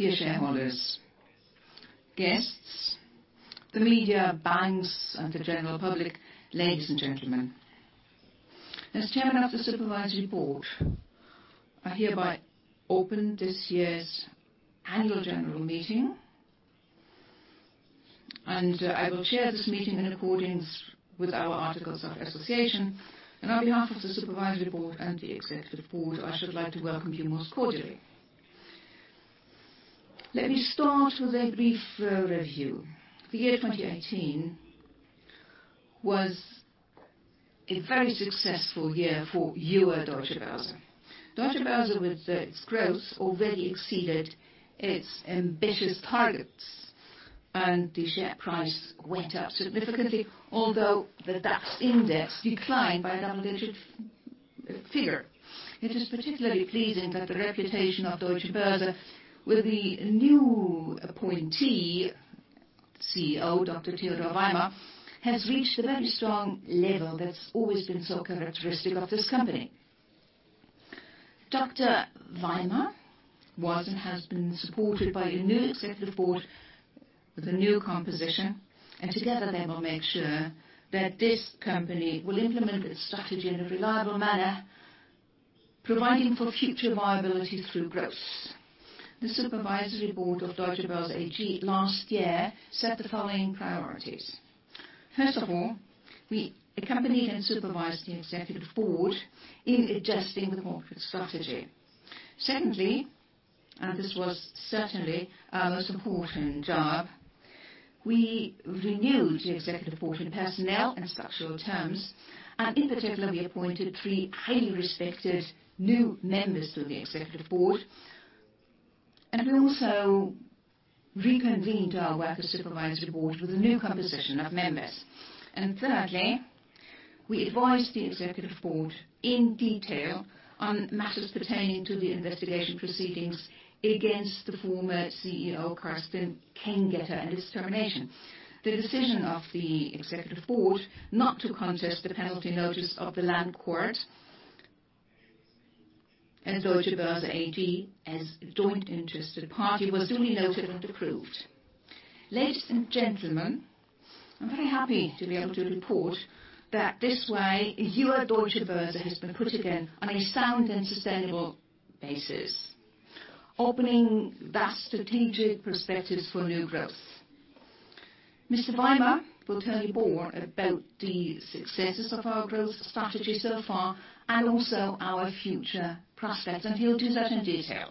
Dear shareholders, guests, the media, banks, and the general public, ladies and gentlemen. As chairman of the Supervisory Board, I hereby open this year's annual general meeting. I will chair this meeting in accordance with our articles of association. On behalf of the Supervisory Board and the Executive Board, I should like to welcome you most cordially. Let me start with a brief review. The year 2018 was a very successful year for your Deutsche Börse. Deutsche Börse, with its growth, already exceeded its ambitious targets, and the share price went up significantly, although the DAX index declined by a double-digit figure. It is particularly pleasing that the reputation of Deutsche Börse, with the new appointee, CEO Dr. Theodor Weimer, has reached a very strong level that has always been so characteristic of this company. Dr. Weimer was and has been supported by a new Executive Board with a new composition. Together they will make sure that this company will implement its strategy in a reliable manner, providing for future viability through growth. The Supervisory Board of Deutsche Börse AG last year set the following priorities. First of all, we accompanied and supervised the Executive Board in adjusting the corporate strategy. Secondly, this was certainly our most important job, we renewed the Executive Board in personnel and structural terms, and in particular, we appointed three highly respected new members to the Executive Board. We also reconvened our work as Supervisory Board with a new composition of members. Thirdly, we advised the Executive Board in detail on matters pertaining to the investigation proceedings against the former CEO, Carsten Kengeter, and his termination. The decision of the Executive Board not to contest the penalty notice of the Land Court and Deutsche Börse AG as a joint interested party, was duly noted and approved. Ladies and gentlemen, I'm very happy to be able to report that this way your Deutsche Börse has been put again on a sound and sustainable basis, opening vast strategic perspectives for new growth. Mr. Weimer will tell you more about the successes of our growth strategy so far and also our future prospects. He'll do that in detail.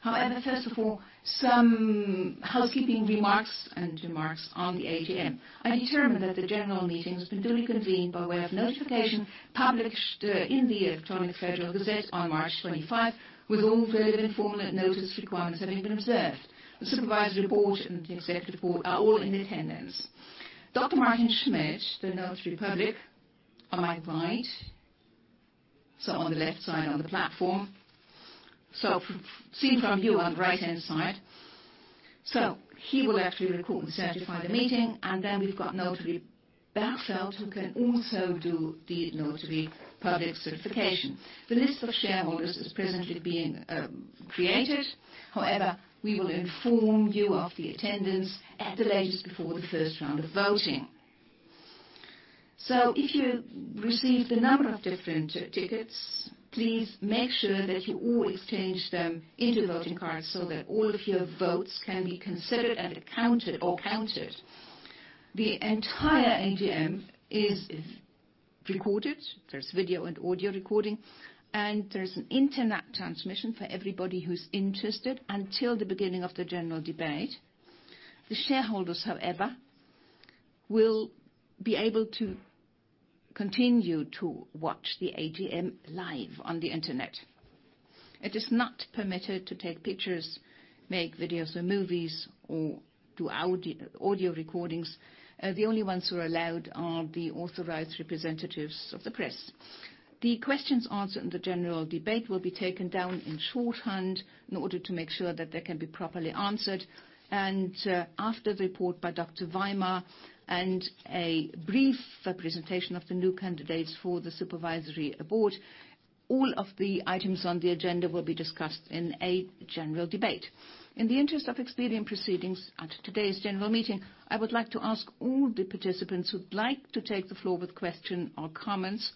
However, first of all, some housekeeping remarks and remarks on the AGM. I determine that the general meeting has been duly convened by way of notification published in the electronic Federal Gazette on March 25, with all relevant formal notice requirements having been observed. The Supervisory Board and the Executive Board are all in attendance. Dr. Martin Schmidt, the notary public on my right, so on the left side on the platform. Seen from you, on the right-hand side. He will actually record and certify the meeting. We've got Notary Bergschelt, who can also do the notary public certification. The list of shareholders is presently being created. However, we will inform you of the attendance at the latest before the first round of voting. If you received a number of different tickets, please make sure that you all exchange them into voting cards so that all of your votes can be considered and accounted or counted. The entire AGM is recorded. There's video and audio recording. There's an internet transmission for everybody who's interested until the beginning of the general debate. The shareholders, however, will be able to continue to watch the AGM live on the internet. It is not permitted to take pictures, make videos or movies, or do audio recordings. The only ones who are allowed are the authorized representatives of the press. The questions answered in the general debate will be taken down in shorthand in order to make sure that they can be properly answered. After the report by Dr. Weimer and a brief presentation of the new candidates for the Supervisory Board, all of the items on the agenda will be discussed in a general debate. In the interest of expedient proceedings at today's general meeting, I would like to ask all the participants who'd like to take the floor with question or comments,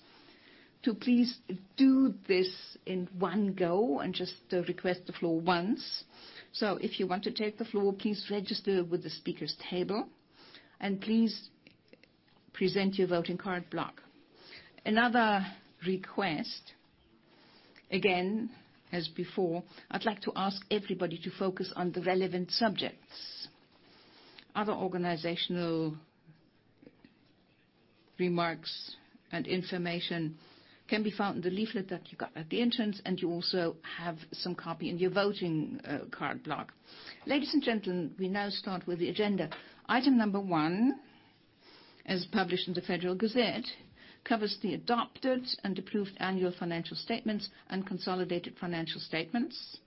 to please do this in one go and just request the floor once. If you want to take the floor, please register with the speakers table and please present your voting card block. Another request, again, as before, I'd like to ask everybody to focus on the relevant subjects. Other organizational remarks and information can be found in the leaflet that you got at the entrance. You also have some copy in your voting card block. Ladies and gentlemen, we now start with the agenda. Item number one, as published in the Federal Gazette, covers the adopted and approved annual financial statements and consolidated financial statements,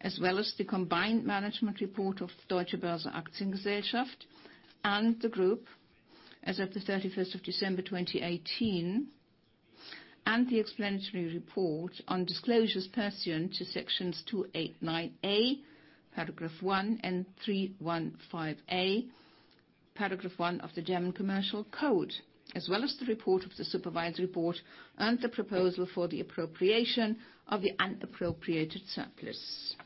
as well as the combined management report of Deutsche Börse Aktiengesellschaft and the group as of the 31st of December 2018, and the explanatory report on disclosures pursuant to Sections 289A, Paragraph 1 and 315A, Paragraph 1 of the German Commercial Code, as well as the report of the Supervisory Board and the proposal for the appropriation of the unappropriated surplus.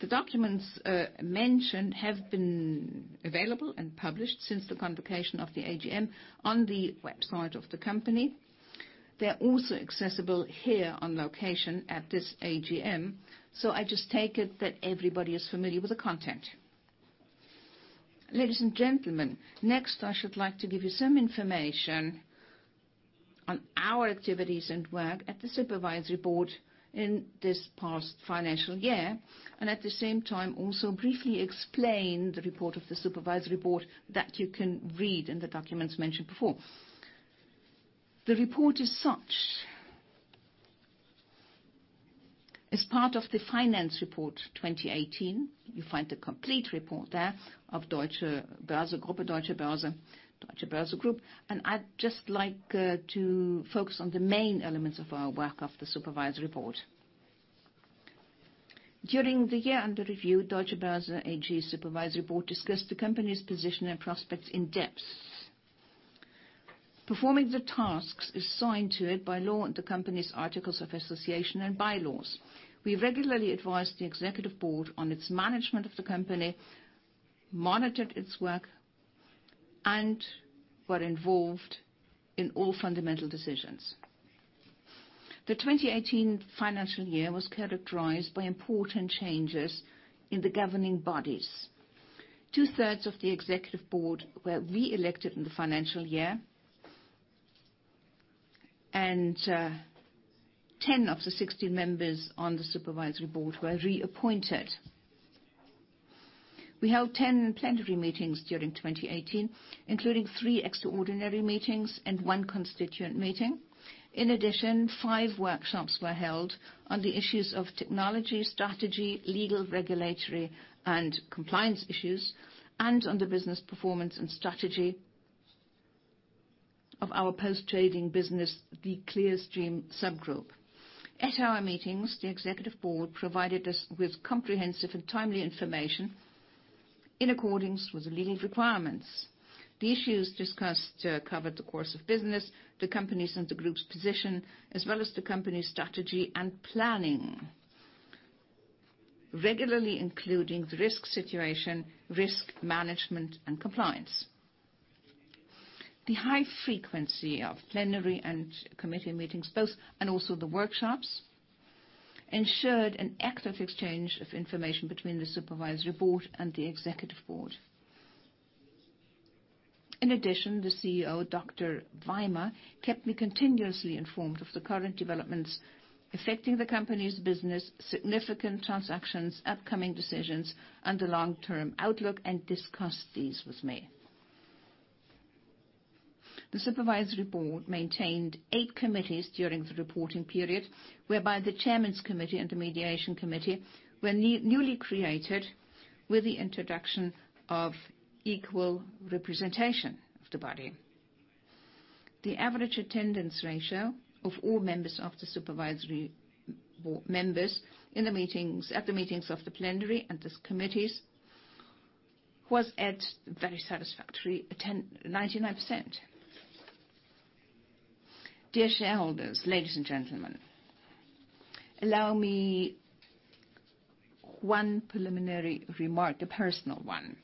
The documents mentioned have been available and published since the convocation of the AGM on the website of the company. They're also accessible here on location at this AGM. I just take it that everybody is familiar with the content. Ladies and gentlemen, next, I should like to give you some information on our activities and work at the Supervisory Board in this past financial year. At the same time, also briefly explain the report of the Supervisory Board that you can read in the documents mentioned before. The report is such. As part of the finance report 2018, you find the complete report there of Deutsche Börse Group. I'd just like to focus on the main elements of our work of the Supervisory Board. During the year under review, Deutsche Börse AG Supervisory Board discussed the company's position and prospects in depth. Performing the tasks assigned to it by law and the company's articles of association and bylaws. We regularly advised the Executive Board on its management of the company, monitored its work, and were involved in all fundamental decisions. The 2018 financial year was characterized by important changes in the governing bodies. Two-thirds of the Executive Board were re-elected in the financial year, and 10 of the 16 members on the Supervisory Board were reappointed. We held 10 plenary meetings during 2018, including three extraordinary meetings and one constituent meeting. In addition, five workshops were held on the issues of technology, strategy, legal, regulatory, and compliance issues, and on the business performance and strategy of our post-trading business, the Clearstream subgroup. At our meetings, the Executive Board provided us with comprehensive and timely information in accordance with the legal requirements. The issues discussed covered the course of business, the company's and the group's position, as well as the company's strategy and planning, regularly including the risk situation, risk management, and compliance. The high frequency of plenary and committee meetings, and also the workshops, ensured an active exchange of information between the Supervisory Board and the Executive Board. In addition, the CEO, Dr. Weimer, kept me continuously informed of the current developments affecting the company's business, significant transactions, upcoming decisions, and the long-term outlook, and discussed these with me. The Supervisory Board maintained eight committees during the reporting period, whereby the Chairman's Committee and the Mediation Committee were newly created with the introduction of equal representation of the body. The average attendance ratio of all members of the Supervisory Board members at the meetings of the plenary and these committees was at very satisfactory 99%. Dear shareholders, ladies and gentlemen, allow me one preliminary remark, a personal one.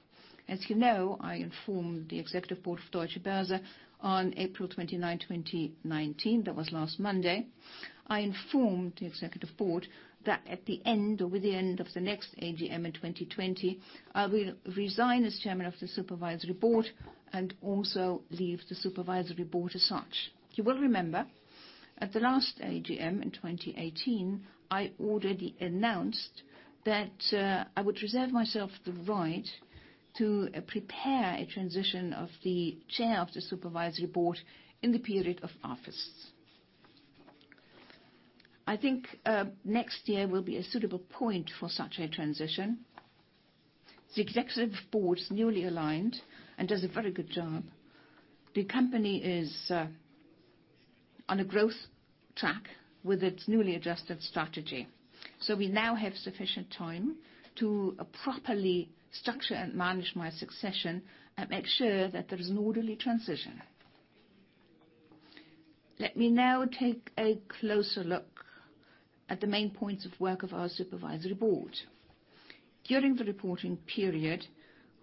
As you know, I informed the Executive Board of Deutsche Börse on April 29, 2019, that was last Monday. I informed the Executive Board that at the end or with the end of the next AGM in 2020, I will resign as chairman of the Supervisory Board and also leave the Supervisory Board as such. You will remember at the last AGM in 2018, I already announced that I would reserve myself the right to prepare a transition of the chair of the Supervisory Board in the period of office. I think next year will be a suitable point for such a transition. The Executive Board is newly aligned and does a very good job. The company is on a growth track with its newly adjusted strategy. We now have sufficient time to properly structure and manage my succession and make sure that there is an orderly transition. Let me now take a closer look at the main points of work of our Supervisory Board. During the reporting period,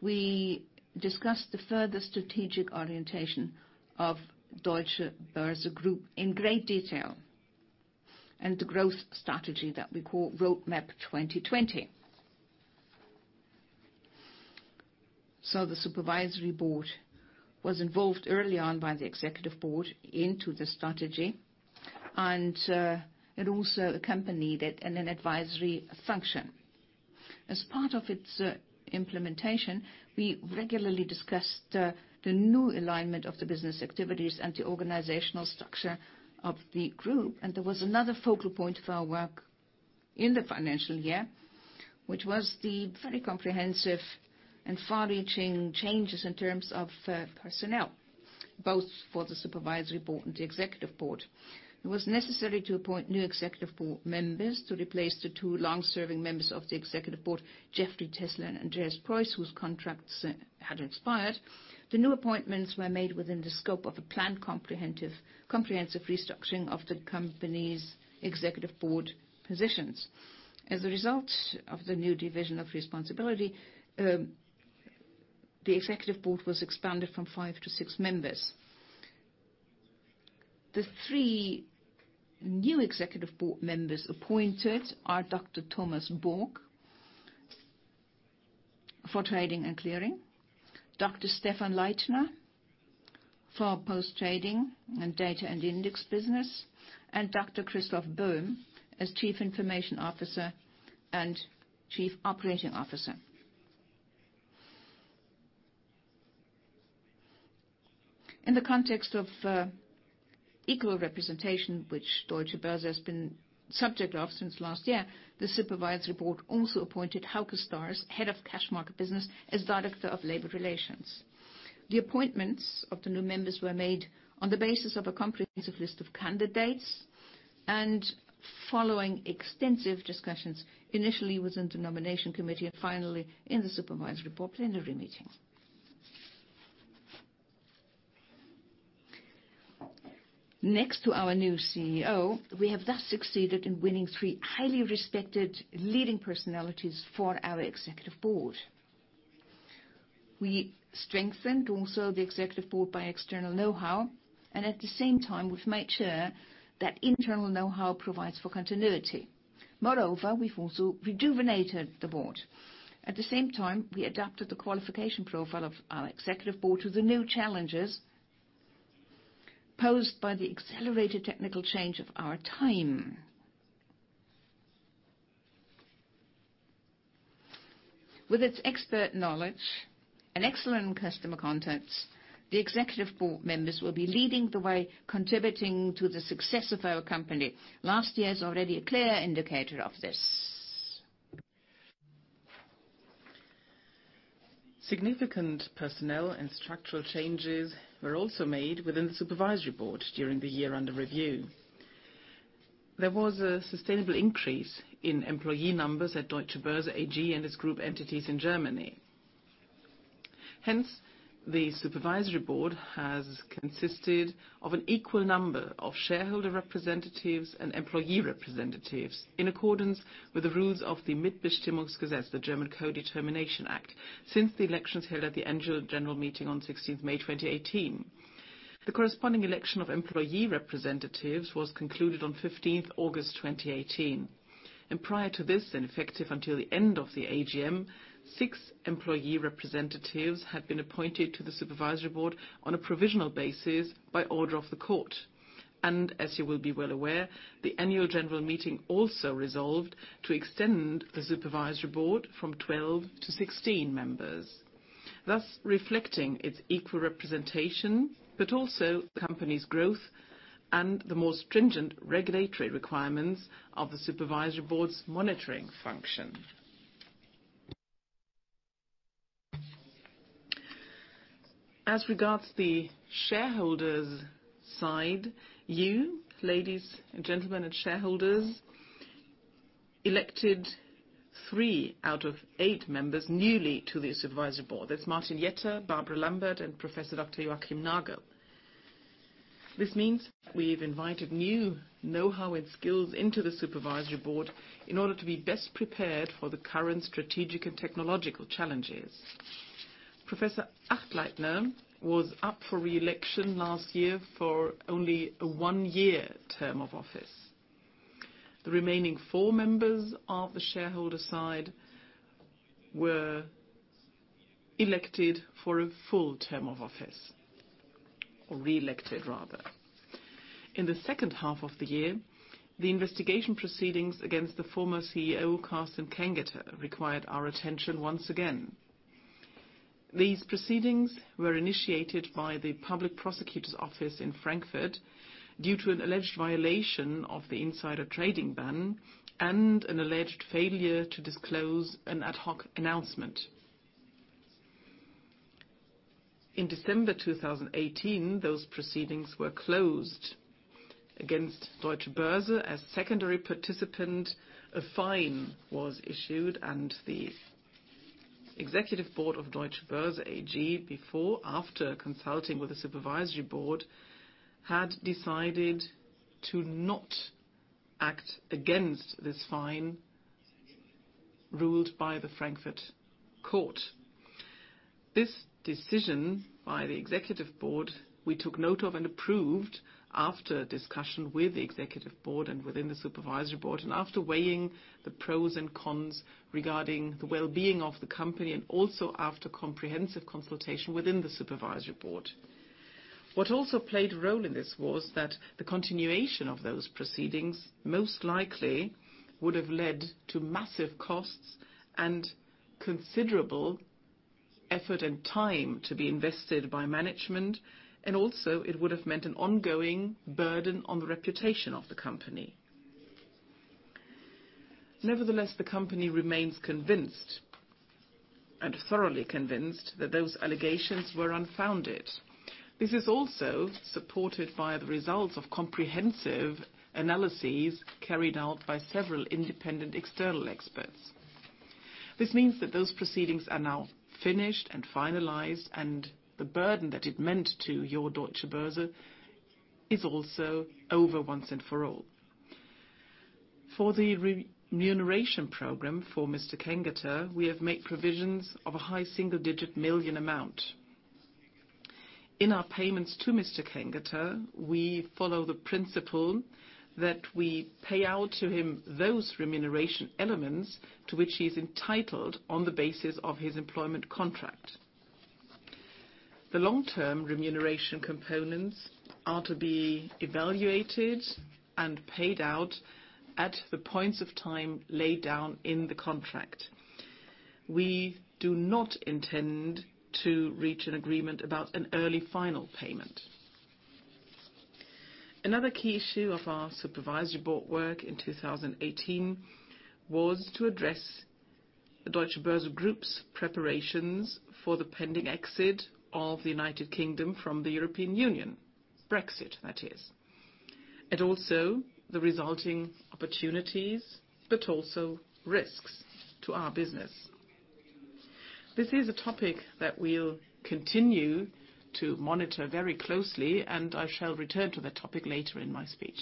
we discussed the further strategic orientation of Deutsche Börse Group in great detail, and the growth strategy that we call Roadmap 2020. The Supervisory Board was involved early on by the Executive Board into the strategy. It also accompanied it in an advisory function. As part of its implementation, we regularly discussed the new alignment of the business activities and the organizational structure of the group. There was another focal point of our work in the financial year, which was the very comprehensive and far-reaching changes in terms of personnel, both for the Supervisory Board and the Executive Board. It was necessary to appoint new Executive Board members to replace the two long-serving members of the Executive Board, Jeffrey Tessler and Andreas Preuss, whose contracts had expired. The new appointments were made within the scope of a planned comprehensive restructuring of the company's Executive Board positions. As a result of the new division of responsibility, the Executive Board was expanded from five to six members. The three new Executive Board members appointed are Dr. Thomas Book for trading and clearing, Dr. Stephan Leithner for post-trading and data and index business, and Dr. Christoph Böhm as Chief Information Officer and Chief Operating Officer. In the context of equal representation, which Deutsche Börse has been subject of since last year, the Supervisory Board also appointed Hauke Stars, Head of Cash Market Business, as Director of Labor Relations. The appointments of the new members were made on the basis of a comprehensive list of candidates, and following extensive discussions, initially within the nomination committee, and finally, in the supervisory board plenary meeting. Next to our new CEO, we have thus succeeded in winning three highly respected leading personalities for our executive board. We strengthened also the executive board by external know-how, and at the same time, we've made sure that internal know-how provides for continuity. Moreover, we've also rejuvenated the board. At the same time, we adapted the qualification profile of our executive board to the new challenges posed by the accelerated technical change of our time. With its expert knowledge and excellent customer contacts, the executive board members will be leading the way, contributing to the success of our company. Last year is already a clear indicator of this. Significant personnel and structural changes were also made within the supervisory board during the year under review. There was a sustainable increase in employee numbers at Deutsche Börse AG and its group entities in Germany. Hence, the supervisory board has consisted of an equal number of shareholder representatives and employee representatives in accordance with the rules of the Mitbestimmungsgesetz, the German Codetermination Act, since the elections held at the annual general meeting on 16th May 2018. The corresponding election of employee representatives was concluded on 15th August 2018. Prior to this, and effective until the end of the AGM, six employee representatives had been appointed to the supervisory board on a provisional basis by order of the court. As you will be well aware, the annual general meeting also resolved to extend the supervisory board from 12 to 16 members, thus reflecting its equal representation, but also the company's growth and the more stringent regulatory requirements of the supervisory board's monitoring function. As regards the shareholders' side, you, ladies and gentlemen and shareholders, elected three out of eight members newly to the supervisory board. That's Martin Jetter, Barbara Lambert, and Professor Dr. Joachim Nagel. This means we've invited new know-how and skills into the supervisory board in order to be best prepared for the current strategic and technological challenges. Professor Achtleitner was up for re-election last year for only a one-year term of office. The remaining four members of the shareholder side were elected for a full term of office, or re-elected rather. In the second half of the year, the investigation proceedings against the former CEO, Carsten Kengeter, required our attention once again. These proceedings were initiated by the public prosecutor's office in Frankfurt due to an alleged violation of the insider trading ban and an alleged failure to disclose an ad hoc announcement. In December 2018, those proceedings were closed against Deutsche Börse as secondary participant. A fine was issued. The executive board of Deutsche Börse AG, after consulting with the supervisory board, had decided to not act against this fine ruled by the Frankfurt court. This decision by the Executive Board, we took note of and approved after discussion with the Executive Board and within the Supervisory Board, and after weighing the pros and cons regarding the well-being of the company, and also after comprehensive consultation within the Supervisory Board. What also played a role in this was that the continuation of those proceedings most likely would've led to massive costs and considerable effort and time to be invested by management, and also it would've meant an ongoing burden on the reputation of the company. Nevertheless, the company remains convinced, and thoroughly convinced, that those allegations were unfounded. This is also supported by the results of comprehensive analyses carried out by several independent external experts. This means that those proceedings are now finished and finalized, and the burden that it meant to your Deutsche Börse is also over once and for all. For the remuneration program for Mr. Kengeter, we have made provisions of a high single-digit million amount. In our payments to Mr. Kengeter, we follow the principle that we pay out to him those remuneration elements to which he's entitled on the basis of his employment contract. The long-term remuneration components are to be evaluated and paid out at the points of time laid down in the contract. We do not intend to reach an agreement about an early final payment. Another key issue of our Supervisory Board work in 2018 was to address the Deutsche Börse Group's preparations for the pending exit of the United Kingdom from the European Union, Brexit, that is. Also the resulting opportunities, but also risks to our business. This is a topic that we'll continue to monitor very closely, and I shall return to that topic later in my speech.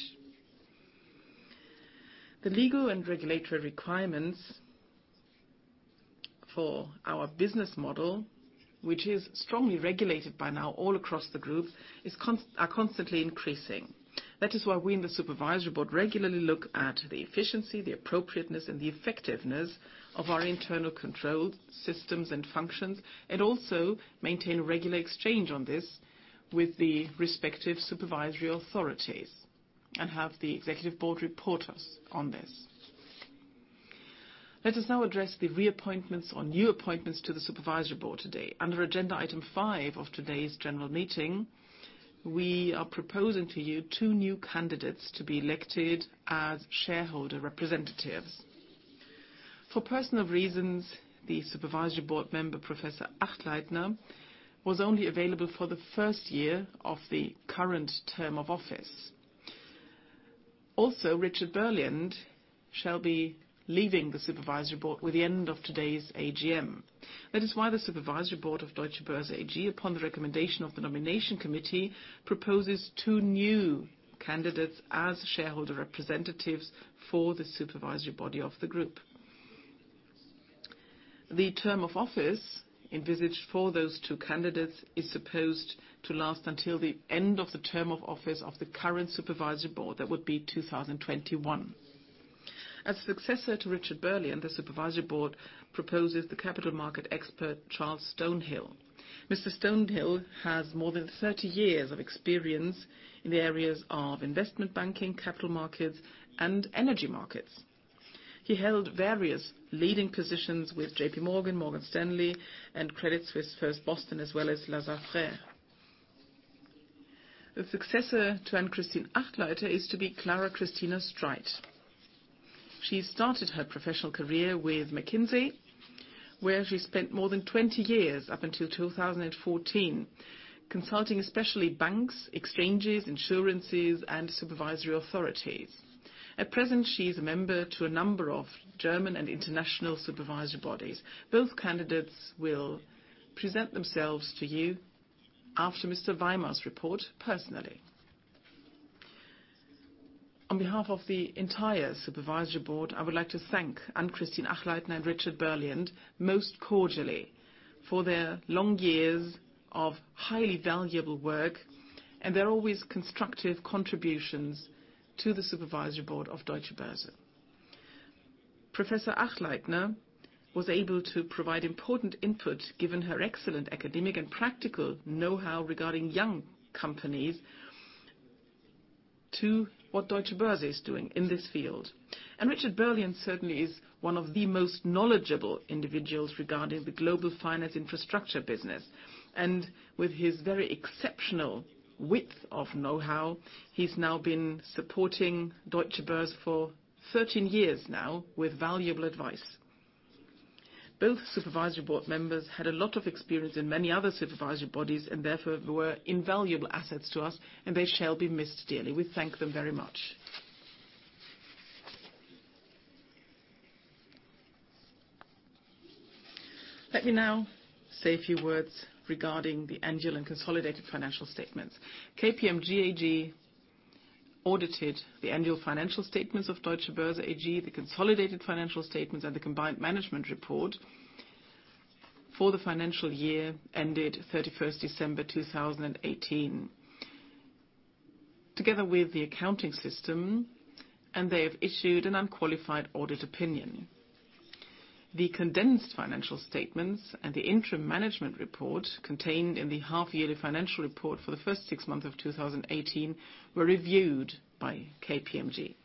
The legal and regulatory requirements for our business model, which is strongly regulated by now all across the group, are constantly increasing. That is why we in the Supervisory Board regularly look at the efficiency, the appropriateness, and the effectiveness of our internal control systems and functions, and also maintain a regular exchange on this with the respective supervisory authorities and have the Executive Board report to us on this. Let us now address the reappointments or new appointments to the Supervisory Board today. Under agenda item five of today's general meeting, we are proposing to you two new candidates to be elected as shareholder representatives. For personal reasons, the Supervisory Board member, Professor Achleitner, was only available for the first year of the current term of office. Richard Berliand shall be leaving the Supervisory Board with the end of today's AGM. The Supervisory Board of Deutsche Börse AG, upon the recommendation of the Nomination Committee, proposes two new candidates as shareholder representatives for the supervisory body of the group. The term of office envisaged for those two candidates is supposed to last until the end of the term of office of the current Supervisory Board. That would be 2021. As successor to Richard Berliand, the Supervisory Board proposes the capital market expert, Charles Stonehill. Mr. Stonehill has more than 30 years of experience in the areas of investment banking, capital markets, and energy markets. He held various leading positions with JPMorgan, Morgan Stanley, and Credit Suisse First Boston, as well as Lazard Frères. The successor to Ann-Kristin Achleitner is to be Clara-Christina Streit. She started her professional career with McKinsey, where she spent more than 20 years up until 2014, consulting especially banks, exchanges, insurances, and supervisory authorities. At present, she's a member to a number of German and international supervisory bodies. Both candidates will present themselves to you after Mr. Weimer's report personally. On behalf of the entire Supervisory Board, I would like to thank Ann-Kristin Achleitner and Richard Berliand most cordially for their long years of highly valuable work and their always constructive contributions to the Supervisory Board of Deutsche Börse. Professor Achleitner was able to provide important input, given her excellent academic and practical know-how regarding young companies to what Deutsche Börse is doing in this field. Richard Berliand certainly is one of the most knowledgeable individuals regarding the global finance infrastructure business. With his very exceptional width of know-how, he's now been supporting Deutsche Börse for 13 years now with valuable advice. Both Supervisory Board members had a lot of experience in many other supervisory bodies and therefore were invaluable assets to us and they shall be missed dearly. We thank them very much. Let me now say a few words regarding the annual and consolidated financial statements. KPMG AG audited the annual financial statements of Deutsche Börse AG, the consolidated financial statements, and the combined management report for the financial year ended 31st December 2018. Together with the accounting system, they have issued an unqualified audit opinion. The condensed financial statements and the interim management report contained in the half-yearly financial report for the first six months of 2018 were reviewed by KPMG.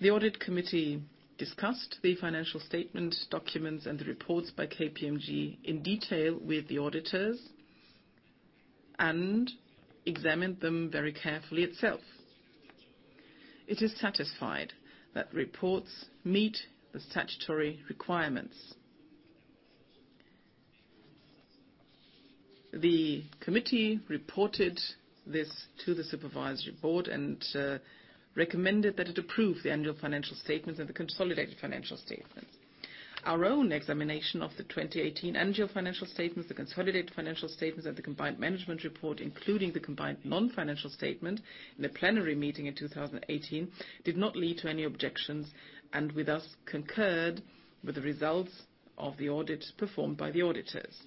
The audit committee discussed the financial statement documents and the reports by KPMG in detail with the auditors and examined them very carefully itself. It is satisfied that the reports meet the statutory requirements. The committee reported this to the Supervisory Board and recommended that it approve the annual financial statements and the consolidated financial statements. Our own examination of the 2018 annual financial statements, the consolidated financial statements, and the combined management report, including the combined non-financial statement in the plenary meeting in 2018, did not lead to any objections, and with us concurred with the results of the audit performed by the auditors.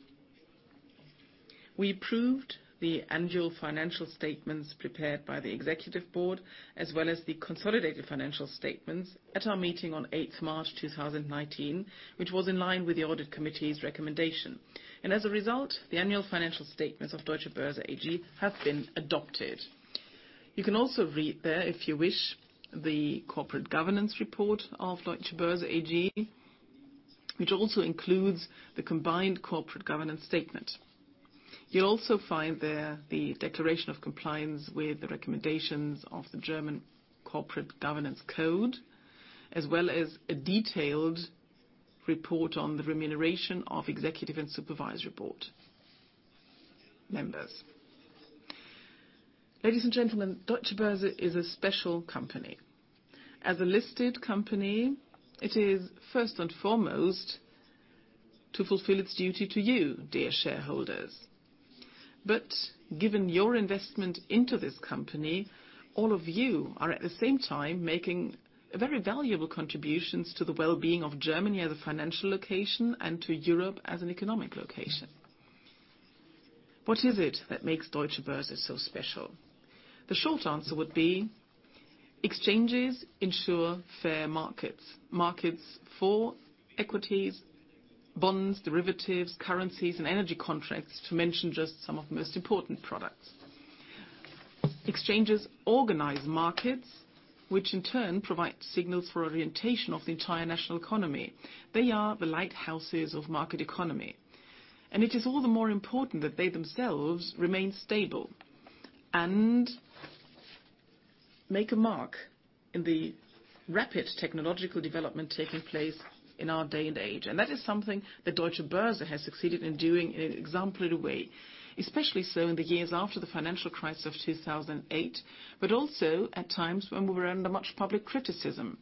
We approved the annual financial statements prepared by the executive board, as well as the consolidated financial statements at our meeting on 8th March 2019, which was in line with the audit committee's recommendation. As a result, the annual financial statements of Deutsche Börse AG have been adopted. You can also read there, if you wish, the corporate governance report of Deutsche Börse AG, which also includes the combined corporate governance statement. You'll also find there the declaration of compliance with the recommendations of the German Corporate Governance Code, as well as a detailed report on the remuneration of executive and Supervisory Board members. Ladies and gentlemen, Deutsche Börse is a special company. As a listed company, it is first and foremost to fulfill its duty to you, dear shareholders. Given your investment into this company, all of you are at the same time making very valuable contributions to the well-being of Germany as a financial location and to Europe as an economic location. What is it that makes Deutsche Börse so special? The short answer would be, exchanges ensure fair markets for equities, bonds, derivatives, currencies, and energy contracts, to mention just some of the most important products. Exchanges organize markets, which in turn provide signals for orientation of the entire national economy. They are the lighthouses of market economy, and it is all the more important that they themselves remain stable and make a mark in the rapid technological development taking place in our day and age. That is something that Deutsche Börse has succeeded in doing in an exemplary way, especially so in the years after the financial crisis of 2008, but also at times when we were under much public criticism.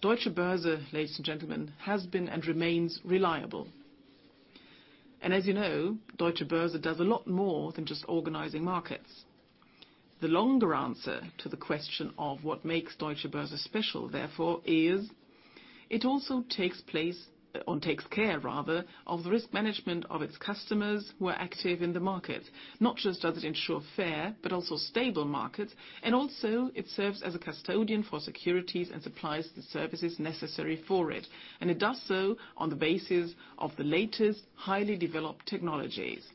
Deutsche Börse, ladies and gentlemen, has been and remains reliable. As you know, Deutsche Börse does a lot more than just organizing markets. The longer answer to the question of what makes Deutsche Börse special, therefore, is it also takes care of the risk management of its customers who are active in the market. Not just does it ensure fair, but also stable markets, and also it serves as a custodian for securities and supplies the services necessary for it. It does so on the basis of the latest, highly developed technologies.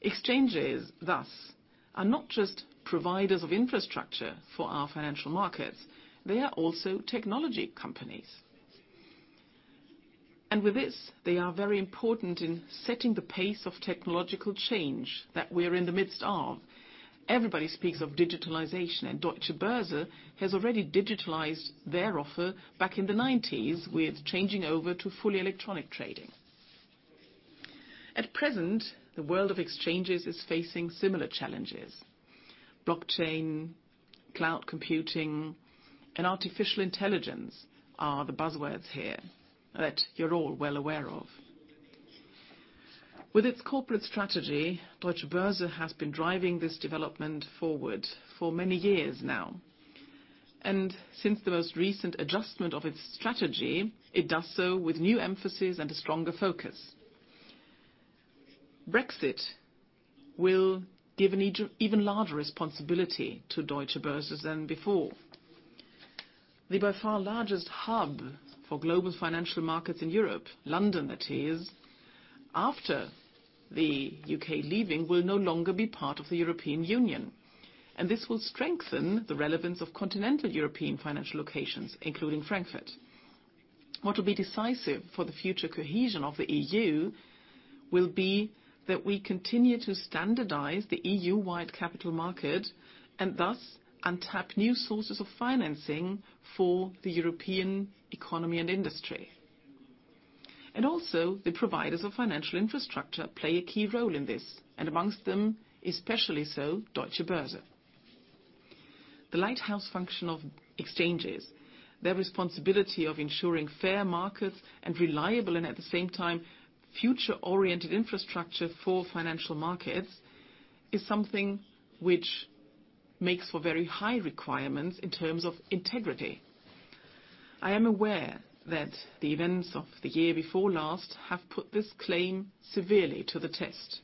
Exchanges, thus, are not just providers of infrastructure for our financial markets. They are also technology companies. With this, they are very important in setting the pace of technological change that we're in the midst of. Everybody speaks of digitalization, and Deutsche Börse has already digitalized their offer back in the '90s with changing over to fully electronic trading. At present, the world of exchanges is facing similar challenges. Blockchain, cloud computing, and artificial intelligence are the buzzwords here that you're all well aware of. With its corporate strategy, Deutsche Börse has been driving this development forward for many years now. Since the most recent adjustment of its strategy, it does so with new emphasis and a stronger focus. Brexit will give an even larger responsibility to Deutsche Börse than before. The by far largest hub for global financial markets in Europe, London that is, after the U.K. leaving, will no longer be part of the European Union. This will strengthen the relevance of continental European financial locations, including Frankfurt. What will be decisive for the future cohesion of the EU will be that we continue to standardize the EU-wide capital market and thus untap new sources of financing for the European economy and industry. Also, the providers of financial infrastructure play a key role in this, and amongst them, especially so Deutsche Börse. The lighthouse function of exchanges, their responsibility of ensuring fair markets and reliable and at the same time future-oriented infrastructure for financial markets is something which makes for very high requirements in terms of integrity. I am aware that the events of the year before last have put this claim severely to the test,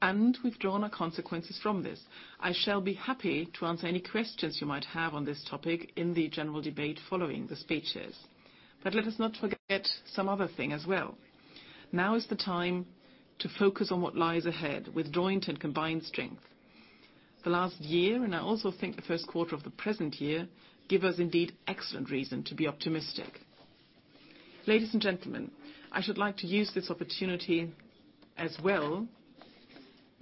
and we've drawn our consequences from this. I shall be happy to answer any questions you might have on this topic in the general debate following the speeches. Let us not forget some other thing as well. Now is the time to focus on what lies ahead with joint and combined strength. The last year, and I also think the first quarter of the present year, give us indeed excellent reason to be optimistic. Ladies and gentlemen, I should like to use this opportunity as well,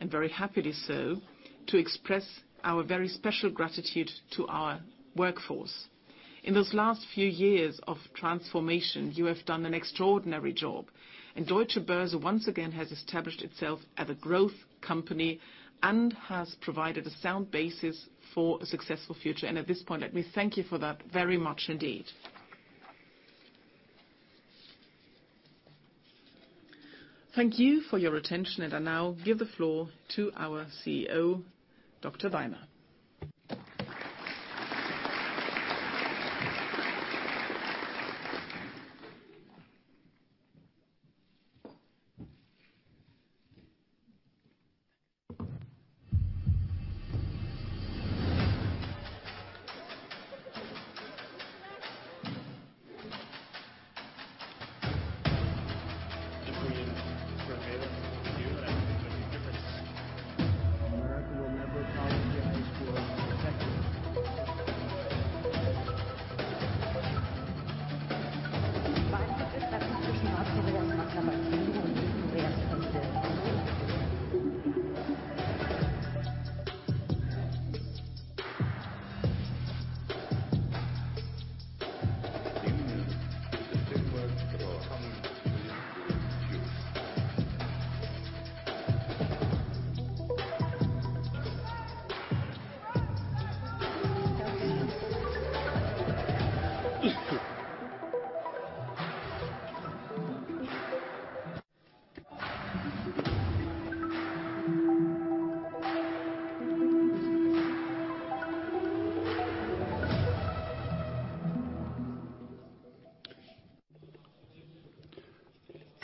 very happily so, to express our very special gratitude to our workforce. In those last few years of transformation, you have done an extraordinary job, Deutsche Börse once again has established itself as a growth company and has provided a sound basis for a successful future. At this point, let me thank you for that very much indeed. Thank you for your attention. I now give the floor to our CEO, Dr. Weimer.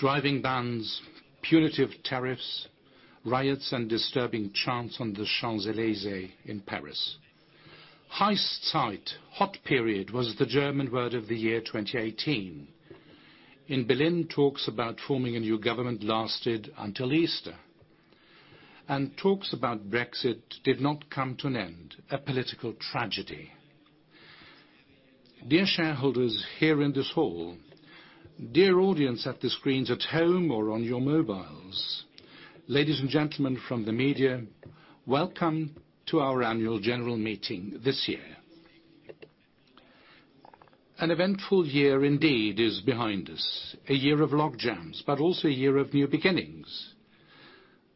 Driving bans, punitive tariffs, riots, disturbing chants on the Champs-Élysées in Paris. Heißzeit, hot period, was the German word of the year 2018. In Berlin, talks about forming a new government lasted until Easter. Talks about Brexit did not come to an end, a political tragedy. Dear shareholders here in this hall, dear audience at the screens, at home, or on your mobiles, ladies and gentlemen from the media, welcome to our annual general meeting this year. An eventful year indeed is behind us. A year of logjams, but also a year of new beginnings.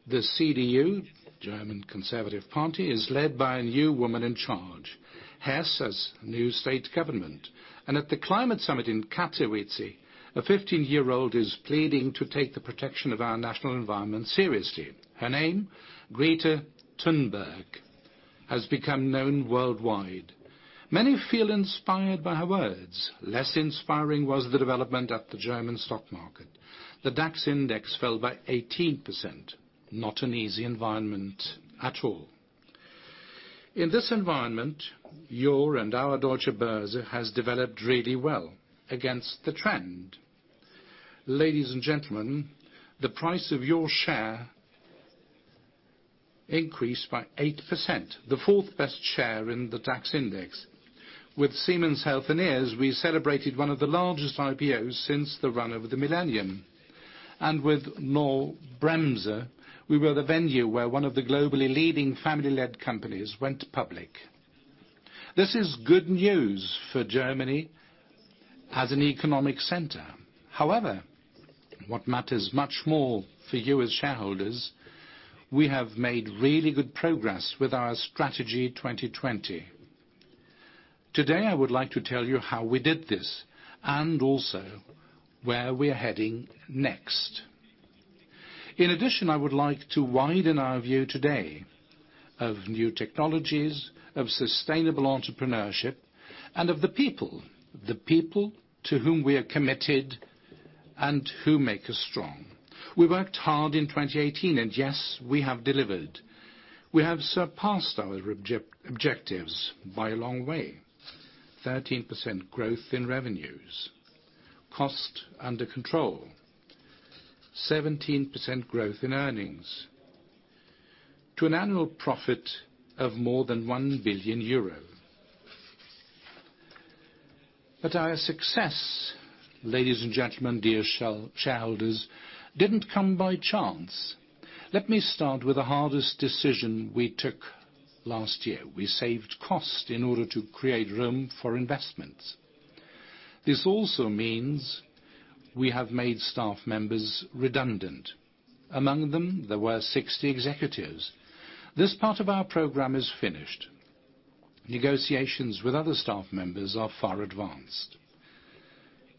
The CDU, German Conservative Party, is led by a new woman in charge. Hesse has new state government. At the Climate Summit in Katowice, a 15-year-old is pleading to take the protection of our national environment seriously. Her name, Greta Thunberg, has become known worldwide. Many feel inspired by her words. Less inspiring was the development at the German stock market. The DAX index fell by 18%, not an easy environment at all. In this environment, your and our Deutsche Börse has developed really well against the trend. Ladies and gentlemen, the price of your share increased by 8%, the fourth-best share in the DAX index. With Siemens Healthineers, we celebrated one of the largest IPOs since the run of the millennium. With Knorr-Bremse, we were the venue where one of the globally leading family-led companies went public. This is good news for Germany as an economic center. However, what matters much more for you as shareholders, we have made really good progress with our Strategy 2020. Today, I would like to tell you how we did this and also where we are heading next. In addition, I would like to widen our view today of new technologies, of sustainable entrepreneurship, of the people, the people to whom we are committed and who make us strong. We worked hard in 2018, yes, we have delivered. We have surpassed our objectives by a long way. 13% growth in revenues, cost under control, 17% growth in earnings to an annual profit of more than 1 billion euro. Our success, ladies and gentlemen, dear shareholders, didn't come by chance. Let me start with the hardest decision we took last year. We saved cost in order to create room for investments. This also means we have made staff members redundant. Among them, there were 60 executives. This part of our program is finished. Negotiations with other staff members are far advanced.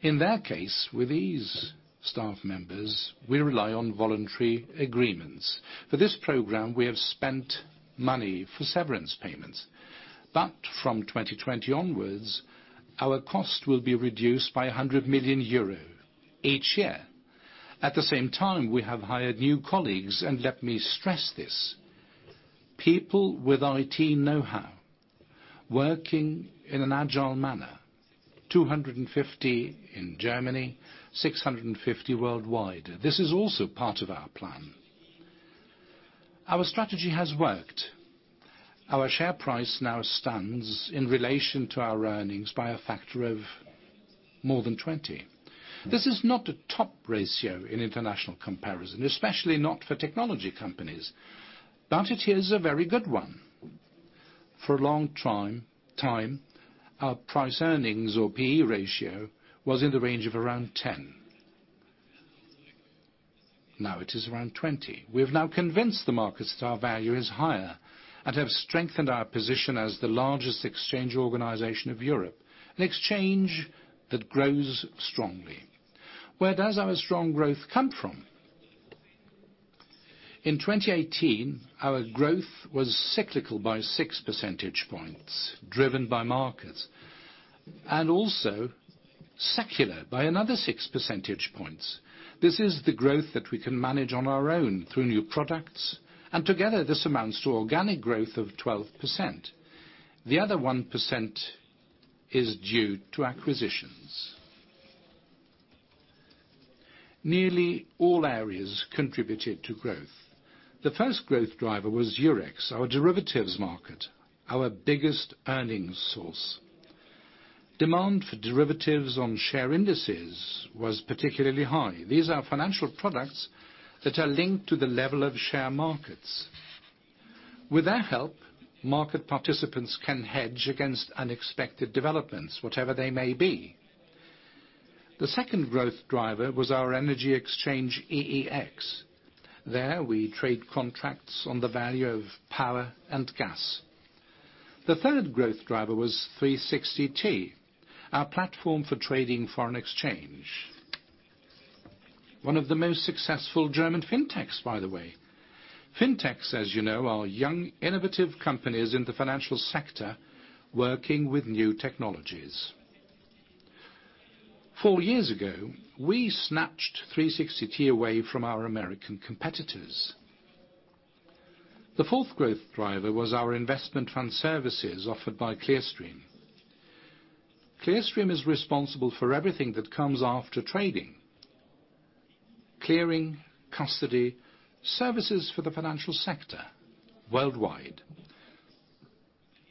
In their case, with these staff members, we rely on voluntary agreements. For this program, we have spent money for severance payments. From 2020 onwards, our cost will be reduced by 100 million euro each year. At the same time, we have hired new colleagues, let me stress this, people with IT know-how, working in an agile manner, 250 in Germany, 650 worldwide. This is also part of our plan. Our strategy has worked. Our share price now stands in relation to our earnings by a factor of more than 20. This is not a top ratio in international comparison, especially not for technology companies. It is a very good one. For a long time, our price earnings or P/E ratio was in the range of around 10. Now it is around 20. We have now convinced the markets that our value is higher and have strengthened our position as the largest exchange organization of Europe, an exchange that grows strongly. Where does our strong growth come from? In 2018, our growth was cyclical by six percentage points, driven by markets, also secular by another six percentage points. This is the growth that we can manage on our own through new products. Together, this amounts to organic growth of 12%. The other 1% is due to acquisitions. Nearly all areas contributed to growth. The first growth driver was Eurex, our derivatives market, our biggest earnings source. Demand for derivatives on share indices was particularly high. These are financial products that are linked to the level of share markets. With their help, market participants can hedge against unexpected developments, whatever they may be. The second growth driver was our energy exchange, EEX. There, we trade contracts on the value of power and gas. The third growth driver was 360T, our platform for trading foreign exchange. One of the most successful German Fintechs, by the way. Fintechs, as you know, are young, innovative companies in the financial sector working with new technologies. Four years ago, we snatched 360T away from our American competitors. The fourth growth driver was our investment fund services offered by Clearstream. Clearstream is responsible for everything that comes after trading. Clearing, custody, services for the financial sector worldwide.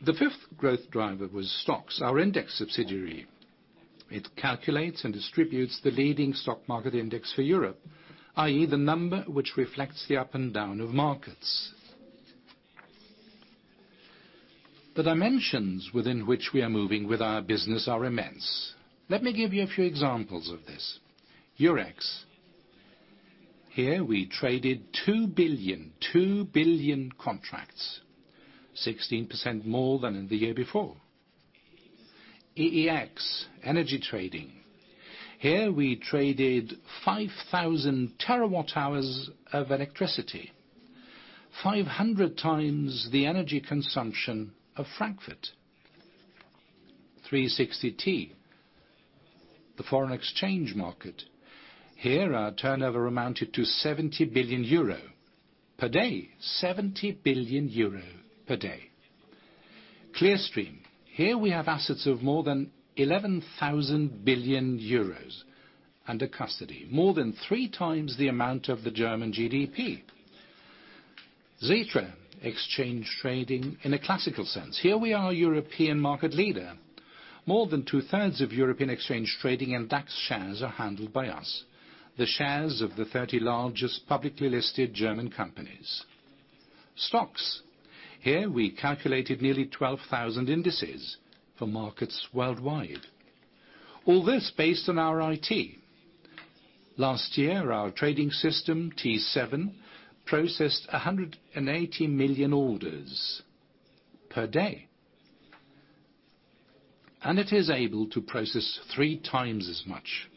The fifth growth driver was STOXX, our index subsidiary. It calculates and distributes the leading stock market index for Europe, i.e. the number which reflects the up and down of markets. The dimensions within which we are moving with our business are immense. Let me give you a few examples of this. Eurex. Here we traded 2 billion contracts, 16% more than in the year before. EEX, energy trading. Here we traded 5,000 terawatt-hours of electricity, 500 times the energy consumption of Frankfurt. 360T, the foreign exchange market. Here, our turnover amounted to 70 billion euro per day. 70 billion euro per day. Clearstream. Here we have assets of more than 11,000 billion euros under custody. More than three times the amount of the German GDP. Xetra, exchange trading in a classical sense. Here we are a European market leader. More than two-thirds of European exchange trading and DAX shares are handled by us. The shares of the 30 largest publicly listed German companies. STOXX. Here we calculated nearly 12,000 indices for markets worldwide. All this based on our IT. Last year, our trading system, T7, processed 180 million orders per day. It is able to process three times as much.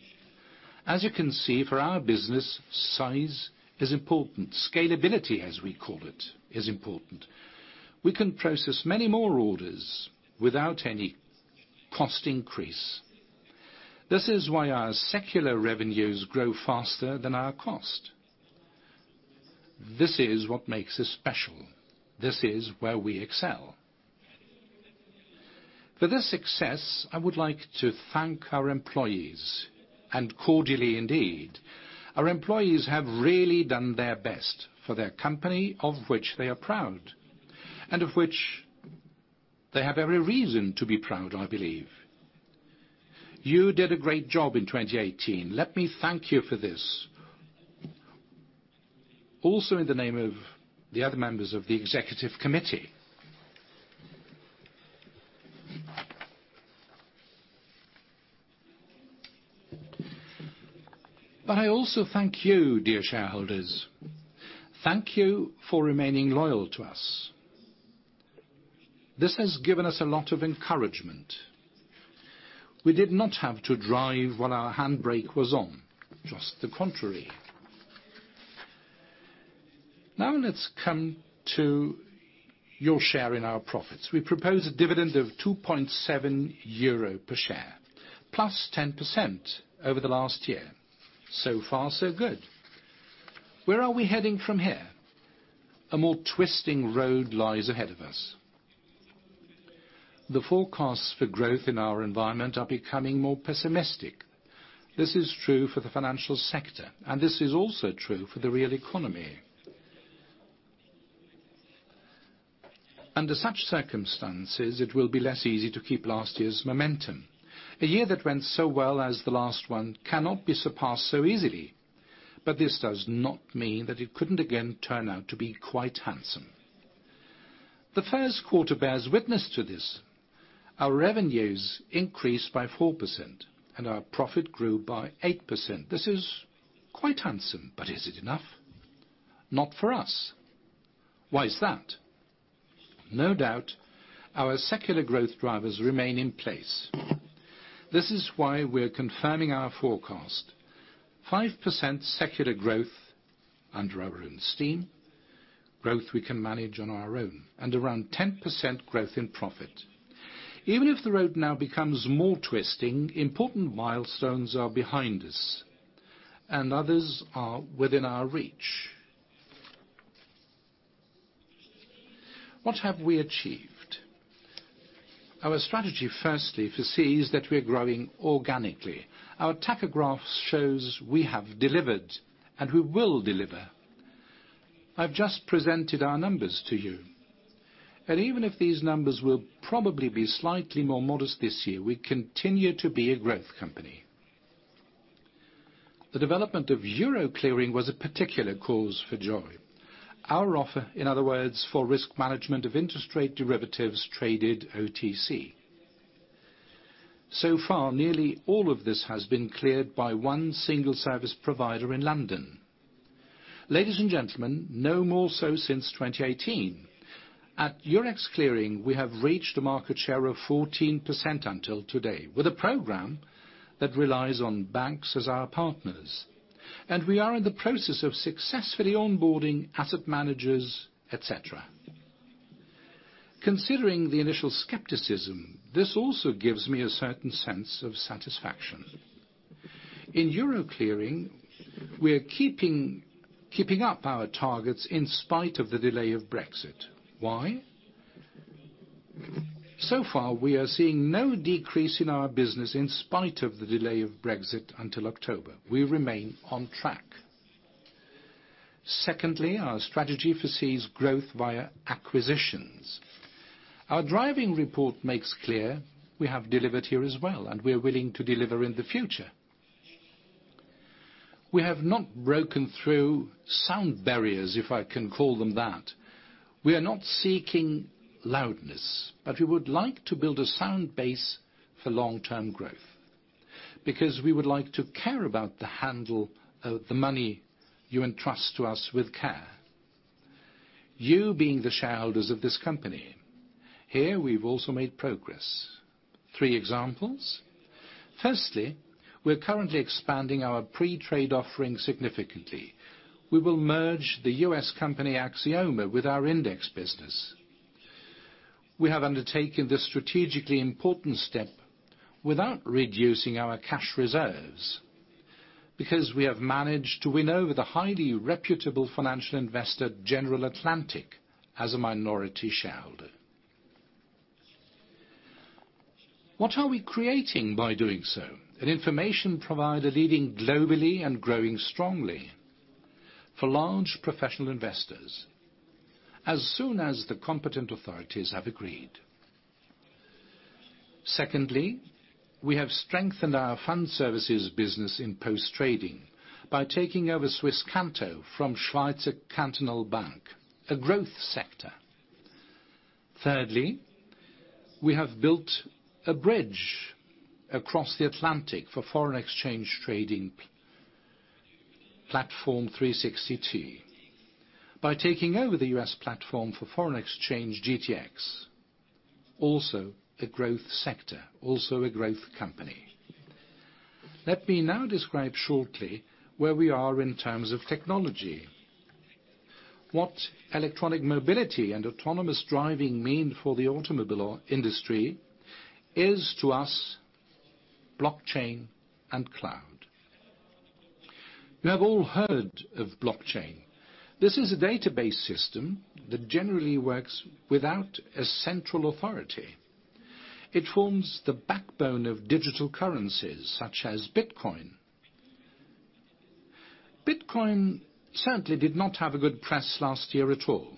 As you can see, for our business, size is important. Scalability, as we call it, is important. We can process many more orders without any cost increase. This is why our secular revenues grow faster than our cost. This is what makes us special. This is where we excel. For this success, I would like to thank our employees, and cordially indeed. Our employees have really done their best for their company, of which they are proud, and of which they have every reason to be proud, I believe. You did a great job in 2018. Let me thank you for this, also in the name of the other members of the executive committee. I also thank you, dear shareholders. Thank you for remaining loyal to us. This has given us a lot of encouragement. We did not have to drive while our handbrake was on, just the contrary. Let's come to your share in our profits. We propose a dividend of 2.7 euro per share, plus 10% over the last year. So far so good. Where are we heading from here? A more twisting road lies ahead of us. The forecasts for growth in our environment are becoming more pessimistic. This is true for the financial sector, and this is also true for the real economy. Under such circumstances, it will be less easy to keep last year's momentum. A year that went so well as the last one cannot be surpassed so easily. This does not mean that it couldn't again turn out to be quite handsome. The first quarter bears witness to this. Our revenues increased by 4%, and our profit grew by 8%. This is quite handsome, but is it enough? Not for us. Why is that? No doubt, our secular growth drivers remain in place. This is why we're confirming our forecast. 5% secular growth under our own steam, growth we can manage on our own, and around 10% growth in profit. Even if the road now becomes more twisting, important milestones are behind us, and others are within our reach. What have we achieved? Our strategy, firstly, foresees that we're growing organically. Our tachograph shows we have delivered and we will deliver. I've just presented our numbers to you. Even if these numbers will probably be slightly more modest this year, we continue to be a growth company. The development of Euro clearing was a particular cause for joy. Our offer, in other words, for risk management of interest rate derivatives traded OTC. So far, nearly all of this has been cleared by one single service provider in London. Ladies and gentlemen, no more so since 2018. At Eurex Clearing, we have reached a market share of 14% until today with a program that relies on banks as our partners. We are in the process of successfully onboarding asset managers, et cetera. Considering the initial skepticism, this also gives me a certain sense of satisfaction. In Euro clearing, we're keeping up our targets in spite of the delay of Brexit. Why? So far, we are seeing no decrease in our business in spite of the delay of Brexit until October. We remain on track. Secondly, our strategy foresees growth via acquisitions. Our driving report makes clear we have delivered here as well, and we are willing to deliver in the future. We have not broken through sound barriers, if I can call them that. We are not seeking loudness, but we would like to build a sound base for long-term growth because we would like to care about the handle of the money you entrust to us with care. You being the shareholders of this company. Here, we've also made progress. Three examples. Firstly, we're currently expanding our pre-trade offering significantly. We will merge the U.S. company Axioma with our index business. We have undertaken this strategically important step without reducing our cash reserves because we have managed to win over the highly reputable financial investor, General Atlantic, as a minority shareholder. What are we creating by doing so? An information provider leading globally and growing strongly for large professional investors as soon as the competent authorities have agreed. Secondly, we have strengthened our fund services business in post-trading by taking over Swisscanto from Zürcher Kantonalbank, a growth sector. Thirdly, we have built a bridge across the Atlantic for foreign exchange trading platform 360T. By taking over the U.S. platform for foreign exchange, GTX, also a growth sector, also a growth company. Let me now describe shortly where we are in terms of technology. What electronic mobility and autonomous driving mean for the automobile industry is to us blockchain and cloud. You have all heard of blockchain. This is a database system that generally works without a central authority. It forms the backbone of digital currencies, such as Bitcoin. Bitcoin certainly did not have a good press last year at all.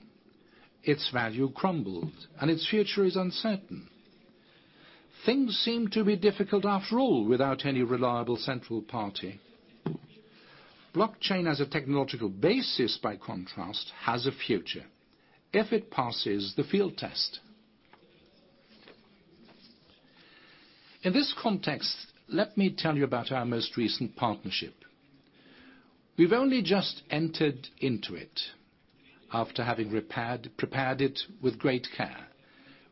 Its value crumbled, and its future is uncertain. Things seem to be difficult after all without any reliable central party. Blockchain as a technological basis, by contrast, has a future if it passes the field test. In this context, let me tell you about our most recent partnership. We've only just entered into it after having prepared it with great care.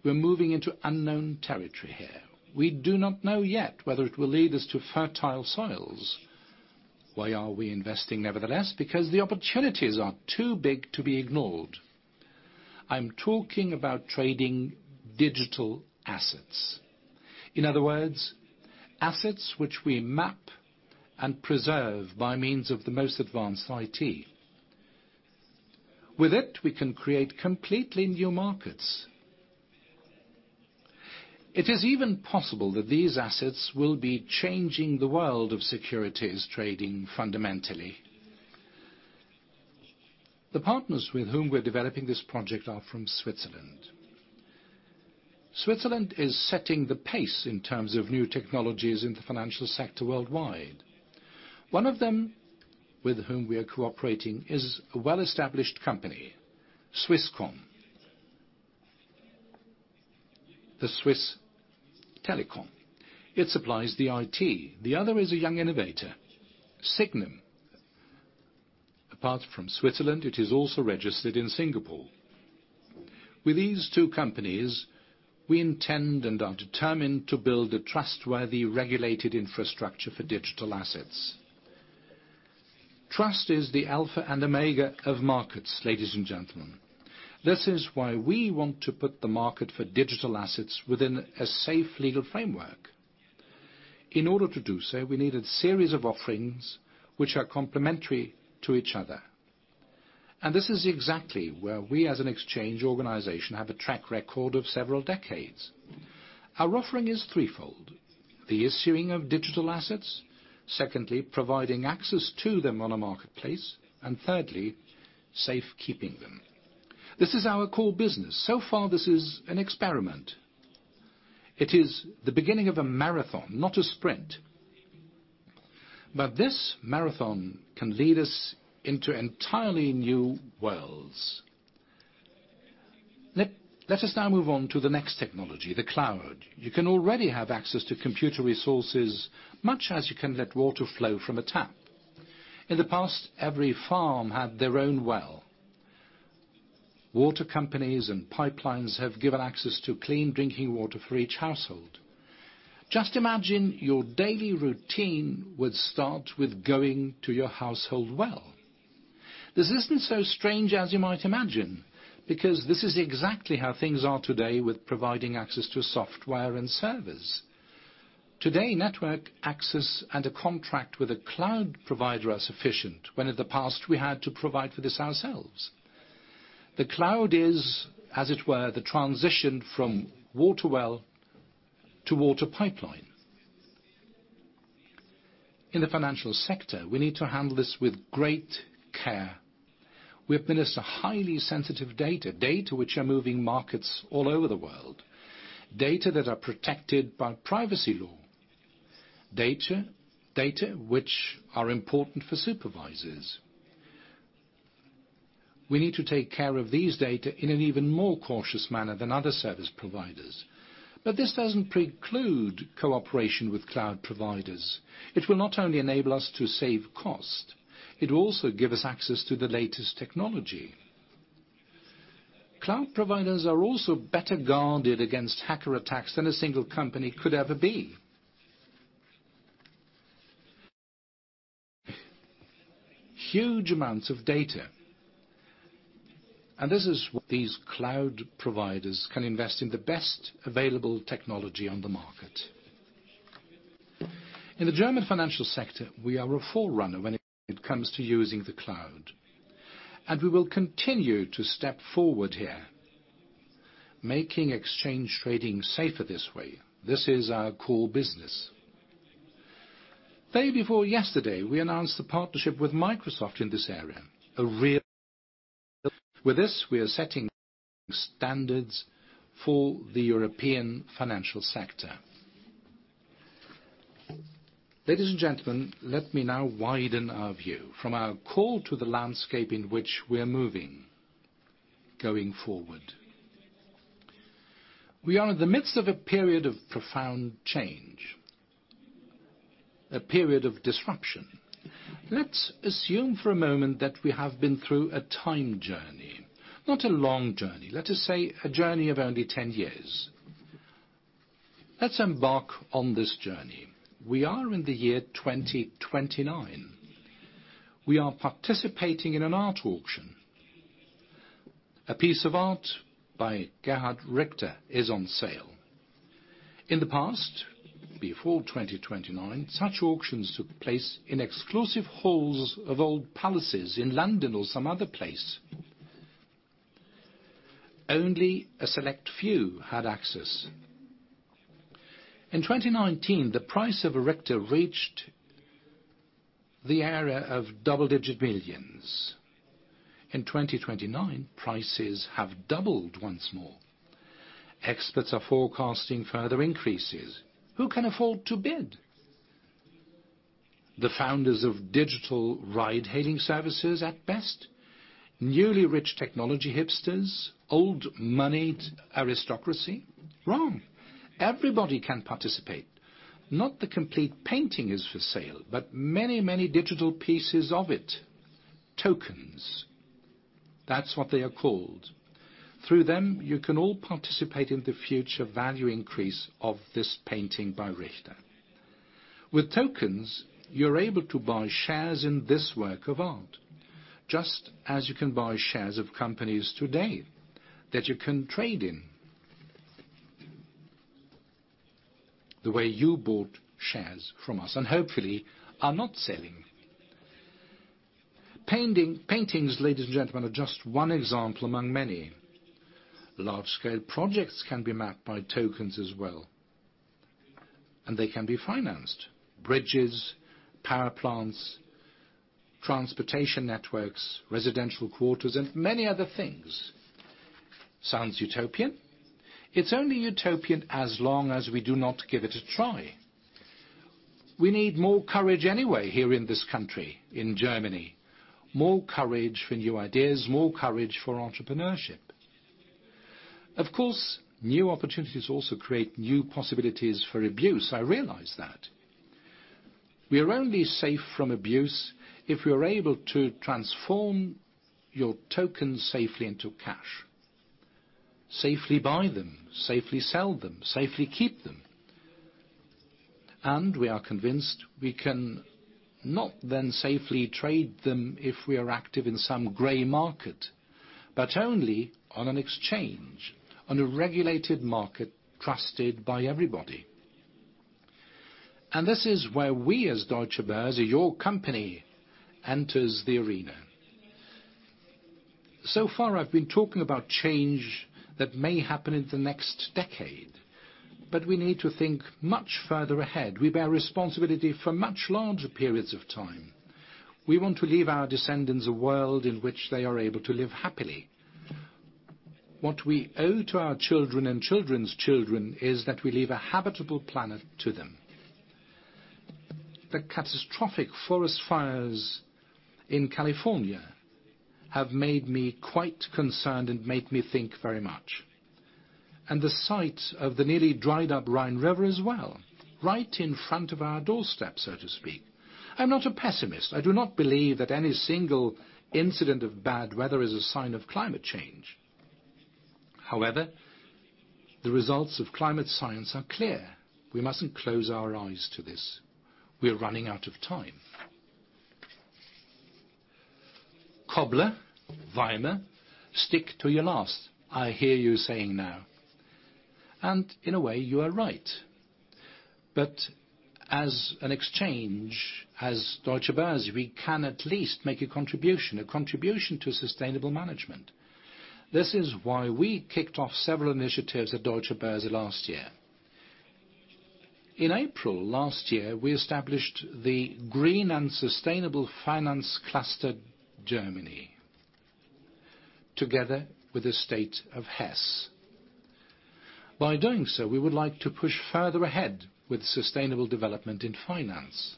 We're moving into unknown territory here. We do not know yet whether it will lead us to fertile soils. Why are we investing nevertheless? Because the opportunities are too big to be ignored. I'm talking about trading digital assets. In other words, assets which we map and preserve by means of the most advanced IT. With it, we can create completely new markets. It is even possible that these assets will be changing the world of securities trading fundamentally. The partners with whom we're developing this project are from Switzerland. Switzerland is setting the pace in terms of new technologies in the financial sector worldwide. One of them, with whom we are cooperating, is a well-established company, Swisscom. The Swiss telecom. It supplies the IT. The other is a young innovator, Sygnum. Apart from Switzerland, it is also registered in Singapore. With these two companies, we intend and are determined to build a trustworthy, regulated infrastructure for digital assets. Trust is the alpha and omega of markets, ladies and gentlemen. This is why we want to put the market for digital assets within a safe legal framework. In order to do so, we need a series of offerings which are complementary to each other. This is exactly where we, as an exchange organization, have a track record of several decades. Our offering is threefold. The issuing of digital assets. Secondly, providing access to them on a marketplace. Thirdly, safekeeping them. This is our core business. So far, this is an experiment. It is the beginning of a marathon, not a sprint. This marathon can lead us into entirely new worlds. Let us now move on to the next technology, the cloud. You can already have access to computer resources, much as you can let water flow from a tap. In the past, every farm had their own well. Water companies and pipelines have given access to clean drinking water for each household. Just imagine your daily routine would start with going to your household well. This isn't so strange as you might imagine, because this is exactly how things are today with providing access to software and servers. Today, network access and a contract with a cloud provider are sufficient, when in the past we had to provide for this ourselves. The cloud is, as it were, the transition from water well to water pipeline. In the financial sector, we need to handle this with great care. We administer highly sensitive data which are moving markets all over the world. Data that are protected by privacy law. Data which are important for supervisors. We need to take care of these data in an even more cautious manner than other service providers. This doesn't preclude cooperation with cloud providers. It will not only enable us to save cost, it will also give us access to the latest technology. Cloud providers are also better guarded against hacker attacks than a single company could ever be. Huge amounts of data. This is what these cloud providers can invest in the best available technology on the market. In the German financial sector, we are a forerunner when it comes to using the cloud, and we will continue to step forward here, making exchange trading safer this way. This is our core business. Day before yesterday, we announced a partnership with Microsoft in this area. With this, we are setting standards for the European financial sector. Ladies and gentlemen, let me now widen our view from our core to the landscape in which we're moving, going forward. We are in the midst of a period of profound change, a period of disruption. Let's assume for a moment that we have been through a time journey. Not a long journey, let us say a journey of only 10 years. Let's embark on this journey. We are in the year 2029. We are participating in an art auction. A piece of art by Gerhard Richter is on sale. In the past, before 2029, such auctions took place in exclusive halls of old palaces in London or some other place. Only a select few had access. In 2019, the price of a Richter reached the area of double-digit millions. In 2029, prices have doubled once more. Experts are forecasting further increases. Who can afford to bid? The founders of digital ride-hailing services at best? Newly rich technology hipsters? Old money aristocracy? Wrong. Everybody can participate. Not the complete painting is for sale, but many, many digital pieces of it. Tokens. That's what they are called. Through them, you can all participate in the future value increase of this painting by Richter. With tokens, you're able to buy shares in this work of art, just as you can buy shares of companies today that you can trade in. The way you bought shares from us and hopefully are not selling. Paintings, ladies and gentlemen, are just one example among many. Large-scale projects can be mapped by tokens as well, and they can be financed. Bridges, power plants, transportation networks, residential quarters, and many other things. Sounds utopian? It's only utopian as long as we do not give it a try. We need more courage anyway here in this country, in Germany. More courage for new ideas, more courage for entrepreneurship. Of course, new opportunities also create new possibilities for abuse. I realize that. We are only safe from abuse if we are able to transform your tokens safely into cash, safely buy them, safely sell them, safely keep them. We are convinced we can not then safely trade them if we are active in some gray market, but only on an exchange, on a regulated market trusted by everybody. This is where we, as Deutsche Börse, your company, enters the arena. So far, I've been talking about change that may happen in the next decade, but we need to think much further ahead. We bear responsibility for much larger periods of time. We want to leave our descendants a world in which they are able to live happily. What we owe to our children and children's children is that we leave a habitable planet to them. The catastrophic forest fires in California have made me quite concerned and made me think very much, and the sight of the nearly dried-up Rhine River as well, right in front of our doorstep, so to speak. I'm not a pessimist. I do not believe that any single incident of bad weather is a sign of climate change. However, the results of climate science are clear. We mustn't close our eyes to this. We are running out of time. Schuster, Weimer, stick to your last," I hear you saying now. In a way, you are right. As an exchange, as Deutsche Börse, we can at least make a contribution, a contribution to sustainable management. This is why we kicked off several initiatives at Deutsche Börse last year. In April last year, we established the Green and Sustainable Finance Cluster Germany together with the state of Hesse. By doing so, we would like to push further ahead with sustainable development in finance.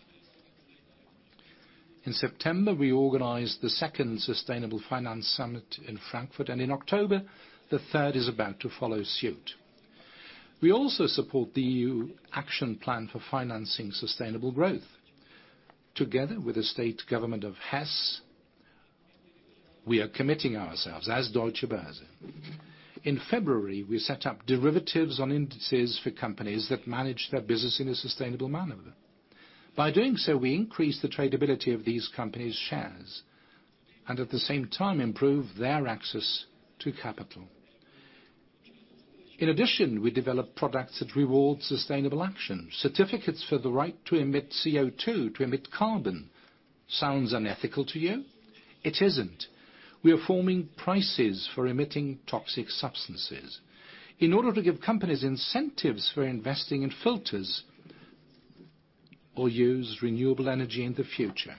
In September, we organized the second Sustainable Finance Summit in Frankfurt, and in October, the third is about to follow suit. We also support the EU Action Plan for Financing Sustainable Growth. Together with the state government of Hesse, we are committing ourselves as Deutsche Börse. In February, we set up derivatives on indices for companies that manage their business in a sustainable manner. By doing so, we increase the tradability of these companies' shares and at the same time improve their access to capital. In addition, we develop products that reward sustainable action. Certificates for the right to emit CO2, to emit carbon. Sounds unethical to you? It isn't. We are forming prices for emitting toxic substances in order to give companies incentives for investing in filters or use renewable energy in the future.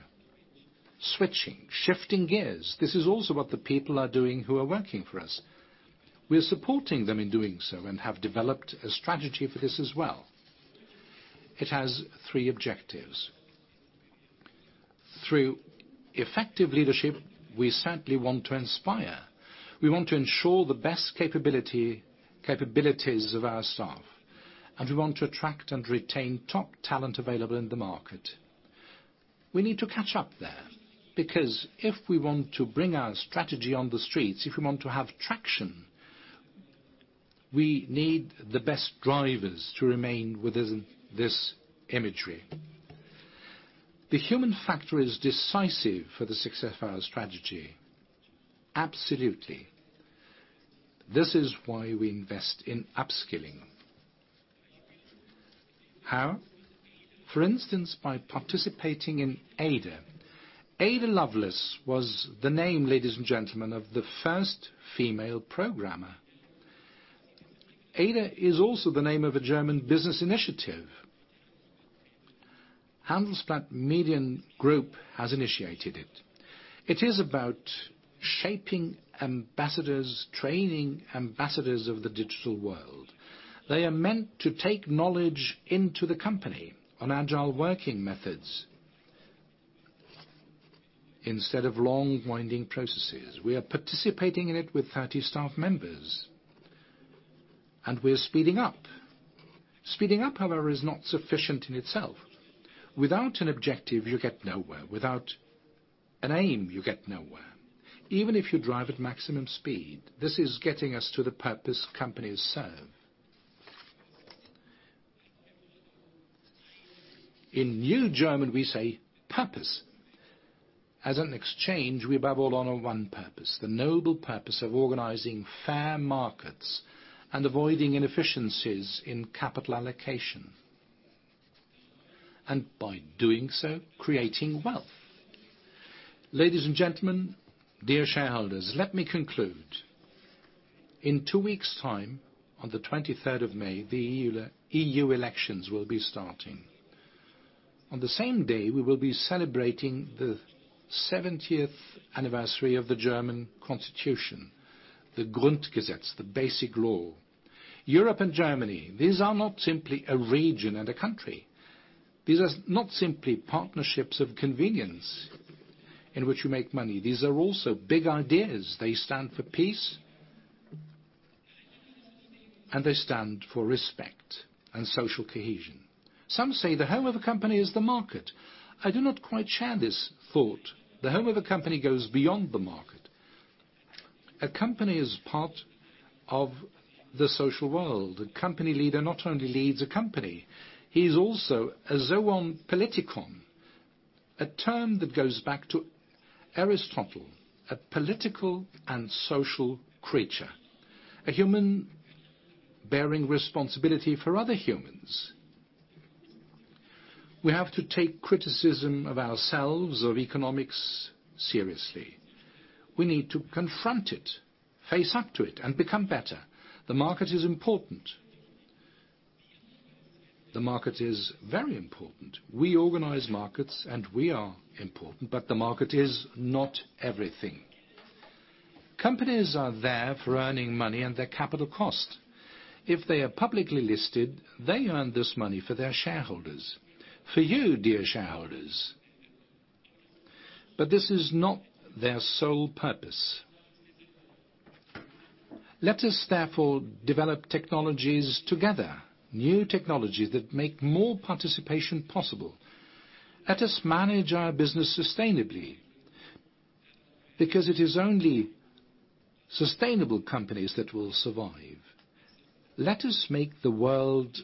Switching, shifting gears. This is also what the people are doing who are working for us. We are supporting them in doing so and have developed a strategy for this as well. It has three objectives. Through effective leadership, we certainly want to inspire, we want to ensure the best capabilities of our staff, and we want to attract and retain top talent available in the market. We need to catch up there because if we want to bring our strategy on the streets, if we want to have traction, we need the best drivers to remain with this imagery. The human factor is decisive for the success of our strategy. Absolutely. This is why we invest in upskilling. How? For instance, by participating in ada. Ada Lovelace was the name, ladies and gentlemen, of the first female programmer. Ada is also the name of a German business initiative. Handelsblatt Media Group has initiated it. It is about shaping ambassadors, training ambassadors of the digital world. They are meant to take knowledge into the company on agile working methods instead of long, winding processes. We are participating in it with 30 staff members. We're speeding up. Speeding up, however, is not sufficient in itself. Without an objective, you get nowhere. Without an aim, you get nowhere, even if you drive at maximum speed. This is getting us to the purpose companies serve. In new German, we say purpose. As an exchange, we above all honor one purpose, the noble purpose of organizing fair markets and avoiding inefficiencies in capital allocation. By doing so, creating wealth. Ladies and gentlemen, dear shareholders, let me conclude. In two weeks' time, on the 23rd of May, the EU elections will be starting. On the same day, we will be celebrating the 70th anniversary of the German Constitution, the Grundgesetz, the basic law. Europe and Germany, these are not simply a region and a country. These are not simply partnerships of convenience in which we make money. These are also big ideas. They stand for peace. They stand for respect and social cohesion. Some say the home of a company is the market. I do not quite share this thought. The home of a company goes beyond the market. A company is part of the social world. A company leader not only leads a company, he is also a zoon politikon, a term that goes back to Aristotle, a political and social creature, a human bearing responsibility for other humans. We have to take criticism of ourselves, of economics, seriously. We need to confront it, face up to it, and become better. The market is important. The market is very important. We organize markets. We are important, but the market is not everything. Companies are there for earning money and their capital cost. If they are publicly listed, they earn this money for their shareholders. For you, dear shareholders. This is not their sole purpose. Let us therefore develop technologies together, new technologies that make more participation possible. Let us manage our business sustainably, because it is only sustainable companies that will survive. Let us make the world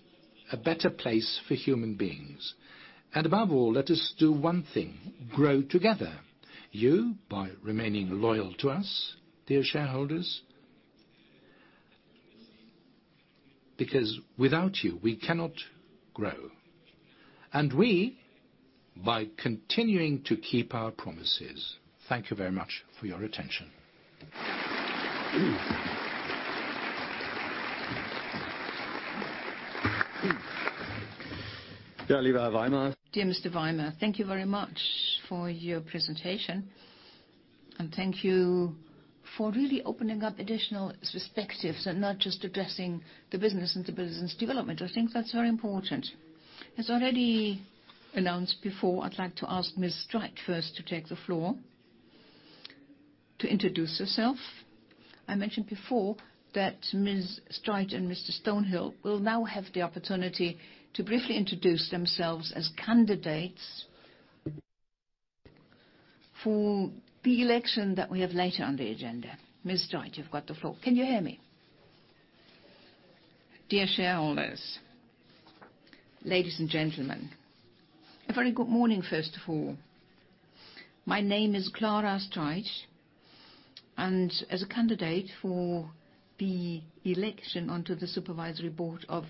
a better place for human beings. Above all, let us do one thing, grow together. You, by remaining loyal to us, dear shareholders. Because without you, we cannot grow. We, by continuing to keep our promises. Thank you very much for your attention. Dear Mr. Weimer, thank you very much for your presentation. Thank you for really opening up additional perspectives and not just addressing the business and the business development. I think that's very important. Already announced before, I'd like to ask Ms. Streit first to take the floor to introduce herself. I mentioned before that Ms. Streit and Mr. Stonehill will now have the opportunity to briefly introduce themselves as candidates for the election that we have later on the agenda. Ms. Streit, you've got the floor. Can you hear me? Dear shareholders, ladies and gentlemen, a very good morning, first of all. My name is Clara Streit, and as a candidate for the election onto the Supervisory Board of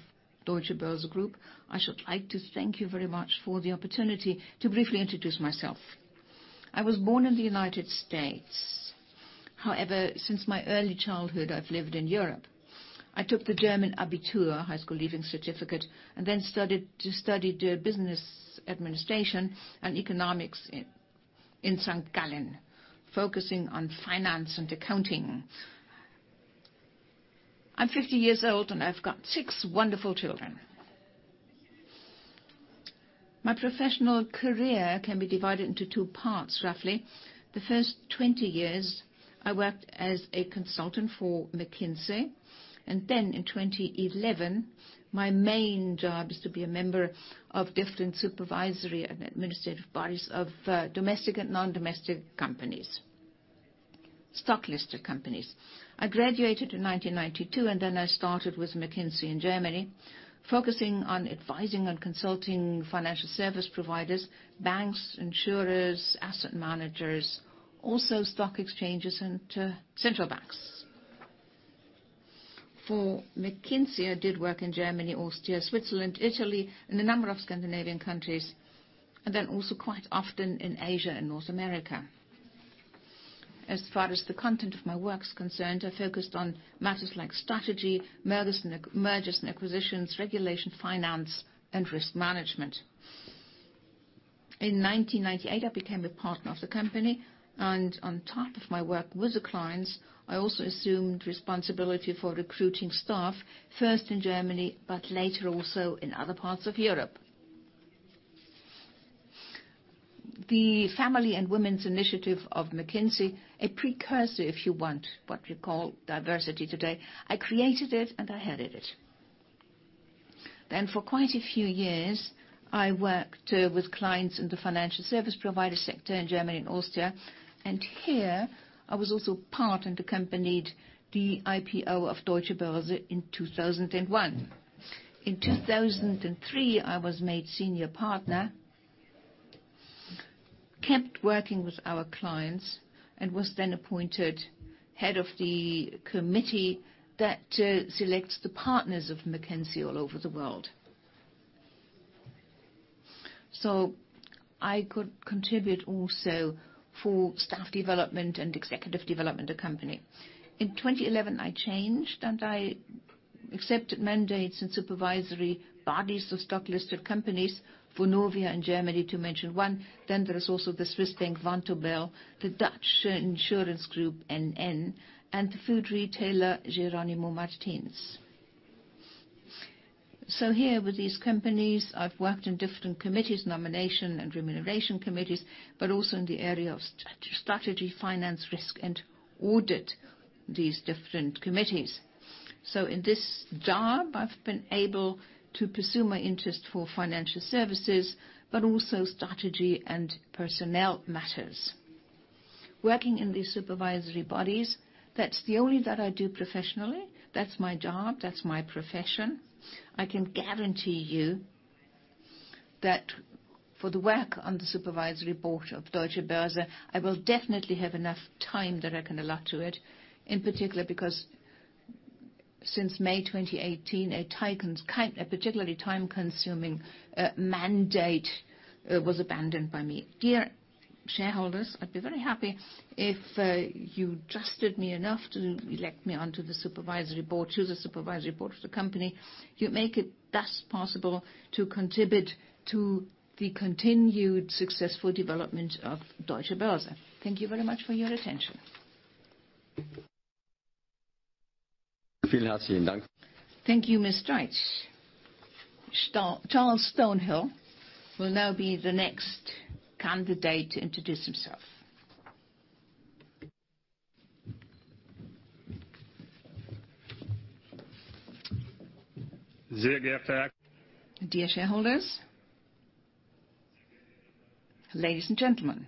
Deutsche Börse Group, I should like to thank you very much for the opportunity to briefly introduce myself. I was born in the U.S. Since my early childhood, I've lived in Europe. I took the German Abitur, high school leaving certificate. I studied business administration and economics in St. Gallen, focusing on finance and accounting. I'm 50 years old, and I've got six wonderful children. My professional career can be divided into two parts, roughly. The first 20 years, I worked as a consultant for McKinsey. In 2011, my main job is to be a member of different supervisory and administrative bodies of domestic and non-domestic companies, stock-listed companies. I graduated in 1992. I started with McKinsey in Germany, focusing on advising and consulting financial service providers, banks, insurers, asset managers, also stock exchanges and central banks. For McKinsey, I did work in Germany, Austria, Switzerland, Italy, and a number of Scandinavian countries. Also quite often in Asia and North America. Far as the content of my work's concerned, I focused on matters like strategy, mergers and acquisitions, regulation, finance, and risk management. In 1998, I became a partner of the company. On top of my work with the clients, I also assumed responsibility for recruiting staff, first in Germany, but later also in other parts of Europe. The family and women's initiative of McKinsey, a precursor, if you want, what we call diversity today, I created it and I headed it. For quite a few years, I worked with clients in the financial service provider sector in Germany and Austria, and here I was also part and accompanied the IPO of Deutsche Börse in 2001. In 2003, I was made senior partner, kept working with our clients. Was then appointed head of the committee that selects the partners of McKinsey all over the world. I could contribute also for staff development and executive development of company. In 2011, I changed. I accepted mandates and supervisory bodies of stock listed companies, Vonovia in Germany, to mention one. There is also the Swiss bank, Vontobel, the Dutch insurance group NN, and the food retailer Jerónimo Martins. Here with these companies, I've worked in different committees, nomination and remuneration committees, but also in the area of strategy, finance, risk, and audit these different committees. In this job, I've been able to pursue my interest for financial services, but also strategy and personnel matters. Working in these supervisory bodies, that's the only that I do professionally. That's my job. That's my profession. I can guarantee you that for the work on the supervisory board of Deutsche Börse, I will definitely have enough time that I can allot to it, in particular because since May 2018, a particularly time-consuming mandate was abandoned by me. Dear shareholders, I would be very happy if you trusted me enough to elect me onto the supervisory board, to the supervisory board of the company. You make it thus possible to contribute to the continued successful development of Deutsche Börse. Thank you very much for your attention. Thank you, Ms. Streit. Charles Stonehill will now be the next candidate to introduce himself. Dear shareholders. Ladies and gentlemen.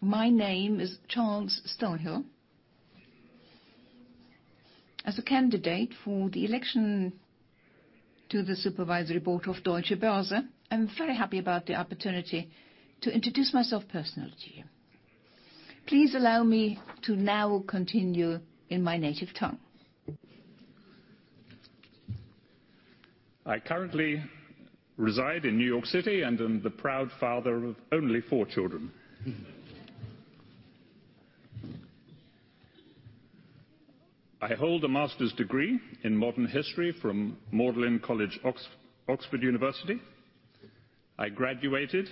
My name is Charles Stonehill. As a candidate for the election to the supervisory board of Deutsche Börse, I am very happy about the opportunity to introduce myself personally to you. Please allow me to now continue in my native tongue. I currently reside in New York City and am the proud father of only four children. I hold a master's degree in modern history from Magdalen College, Oxford University. I graduated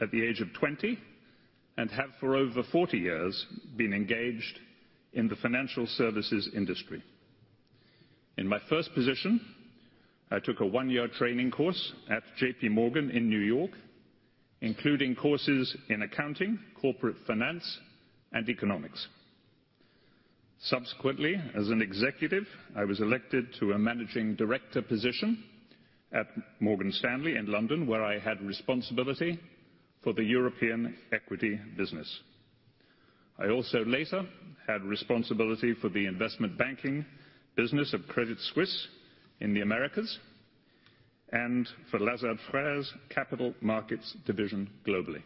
at the age of 20 and have for over 40 years been engaged in the financial services industry. In my first position, I took a one-year training course at JP Morgan in New York, including courses in accounting, corporate finance, and economics. Subsequently, as an executive, I was elected to a managing director position at Morgan Stanley in London, where I had responsibility for the European equity business. I also later had responsibility for the investment banking business of Credit Suisse in the Americas and for Lazard Frères capital markets division globally.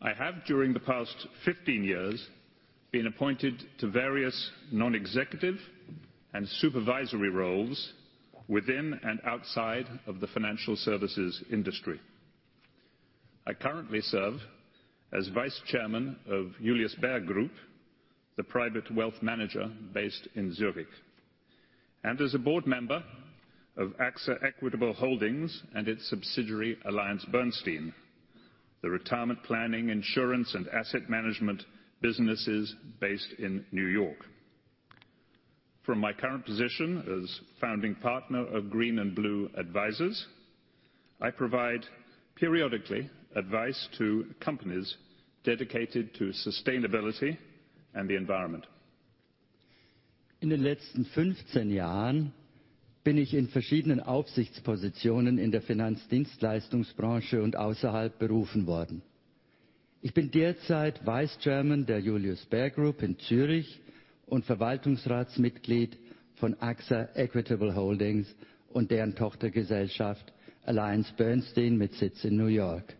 I have during the past 15 years been appointed to various non-executive and supervisory roles within and outside of the financial services industry. I currently serve as vice chairman of Julius Baer Group, the private wealth manager based in Zurich. As a board member of AXA Equitable Holdings and its subsidiary, AllianceBernstein, the retirement planning, insurance, and asset management businesses based in New York. From my current position as founding partner of Green & Blue Advisors, I provide periodically advice to companies dedicated to sustainability and the environment. In den letzten 15 Jahren bin ich in verschiedenen Aufsichtspositionen in der Finanzdienstleistungsbranche und außerhalb berufen worden. Ich bin derzeit Vice Chairman der Julius Baer Group in Zürich und Verwaltungsratsmitglied von AXA Equitable Holdings und deren Tochtergesellschaft AllianceBernstein mit Sitz in New York.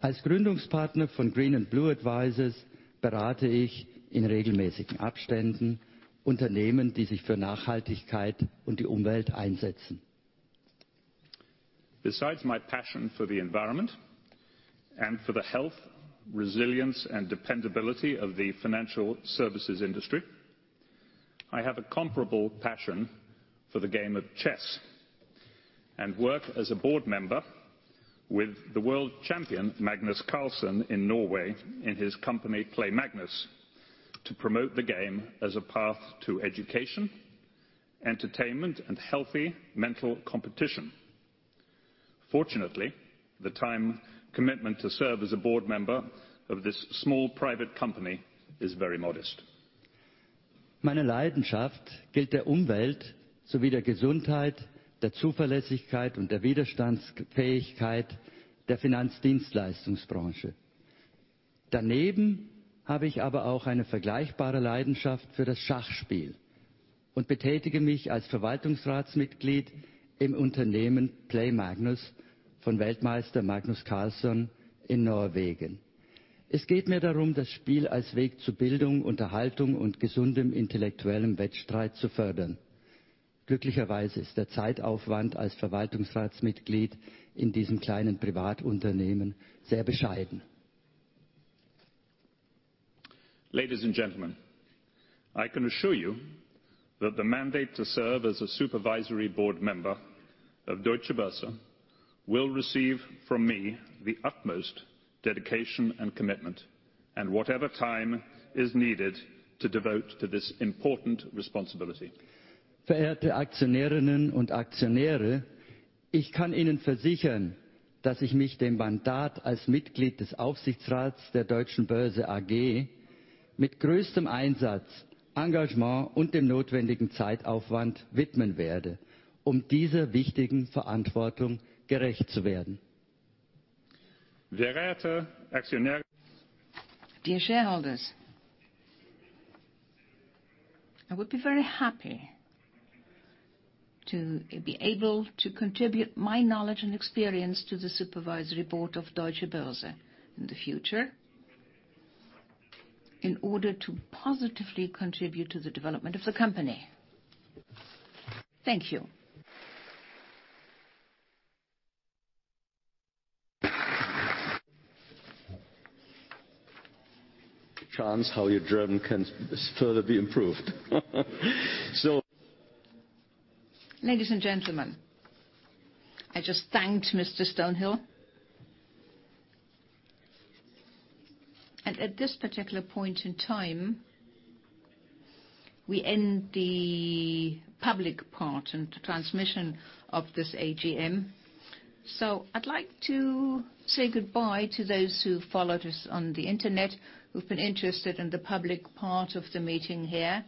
Als Gründungspartner von Green & Blue Advisors berate ich in regelmäßigen Abständen Unternehmen, die sich für Nachhaltigkeit und die Umwelt einsetzen. Besides my passion for the environment and for the health, resilience, and dependability of the financial services industry, I have a comparable passion for the game of chess and work as a board member with the world champion Magnus Carlsen in Norway in his company Play Magnus to promote the game as a path to education, entertainment, and healthy mental competition. Fortunately, the time commitment to serve as a board member of this small private company is very modest. Meine Leidenschaft gilt der Umwelt sowie der Gesundheit, der Zuverlässigkeit und der Widerstandsfähigkeit der Finanzdienstleistungsbranche. Daneben habe ich aber auch eine vergleichbare Leidenschaft für das Schachspiel und betätige mich als Verwaltungsratsmitglied im Unternehmen Play Magnus von Weltmeister Magnus Carlsen in Norwegen. Es geht mir darum, das Spiel als Weg zu Bildung, Unterhaltung und gesundem intellektuellem Wettstreit zu fördern. Glücklicherweise ist der Zeitaufwand als Verwaltungsratsmitglied in diesem kleinen Privatunternehmen sehr bescheiden. Ladies and gentlemen, I can assure you that the mandate to serve as a supervisory board member of Deutsche Börse will receive from me the utmost dedication and commitment and whatever time is needed to devote to this important responsibility. Verehrte Aktionärinnen und Aktionäre, ich kann Ihnen versichern, dass ich mich dem Mandat als Mitglied des Aufsichtsrats der Deutsche Börse AG mit größtem Einsatz, Engagement und dem notwendigen Zeitaufwand widmen werde, um dieser wichtigen Verantwortung gerecht zu werden. Dear shareholders, I would be very happy to be able to contribute my knowledge and experience to the supervisory board of Deutsche Börse in the future in order to positively contribute to the development of the company. Thank you. Chance how your German can further be improved. Ladies and gentlemen, I just thanked Mr. Stonehill. At this particular point in time, we end the public part and transmission of this AGM. I'd like to say goodbye to those who followed us on the Internet, who've been interested in the public part of the meeting here.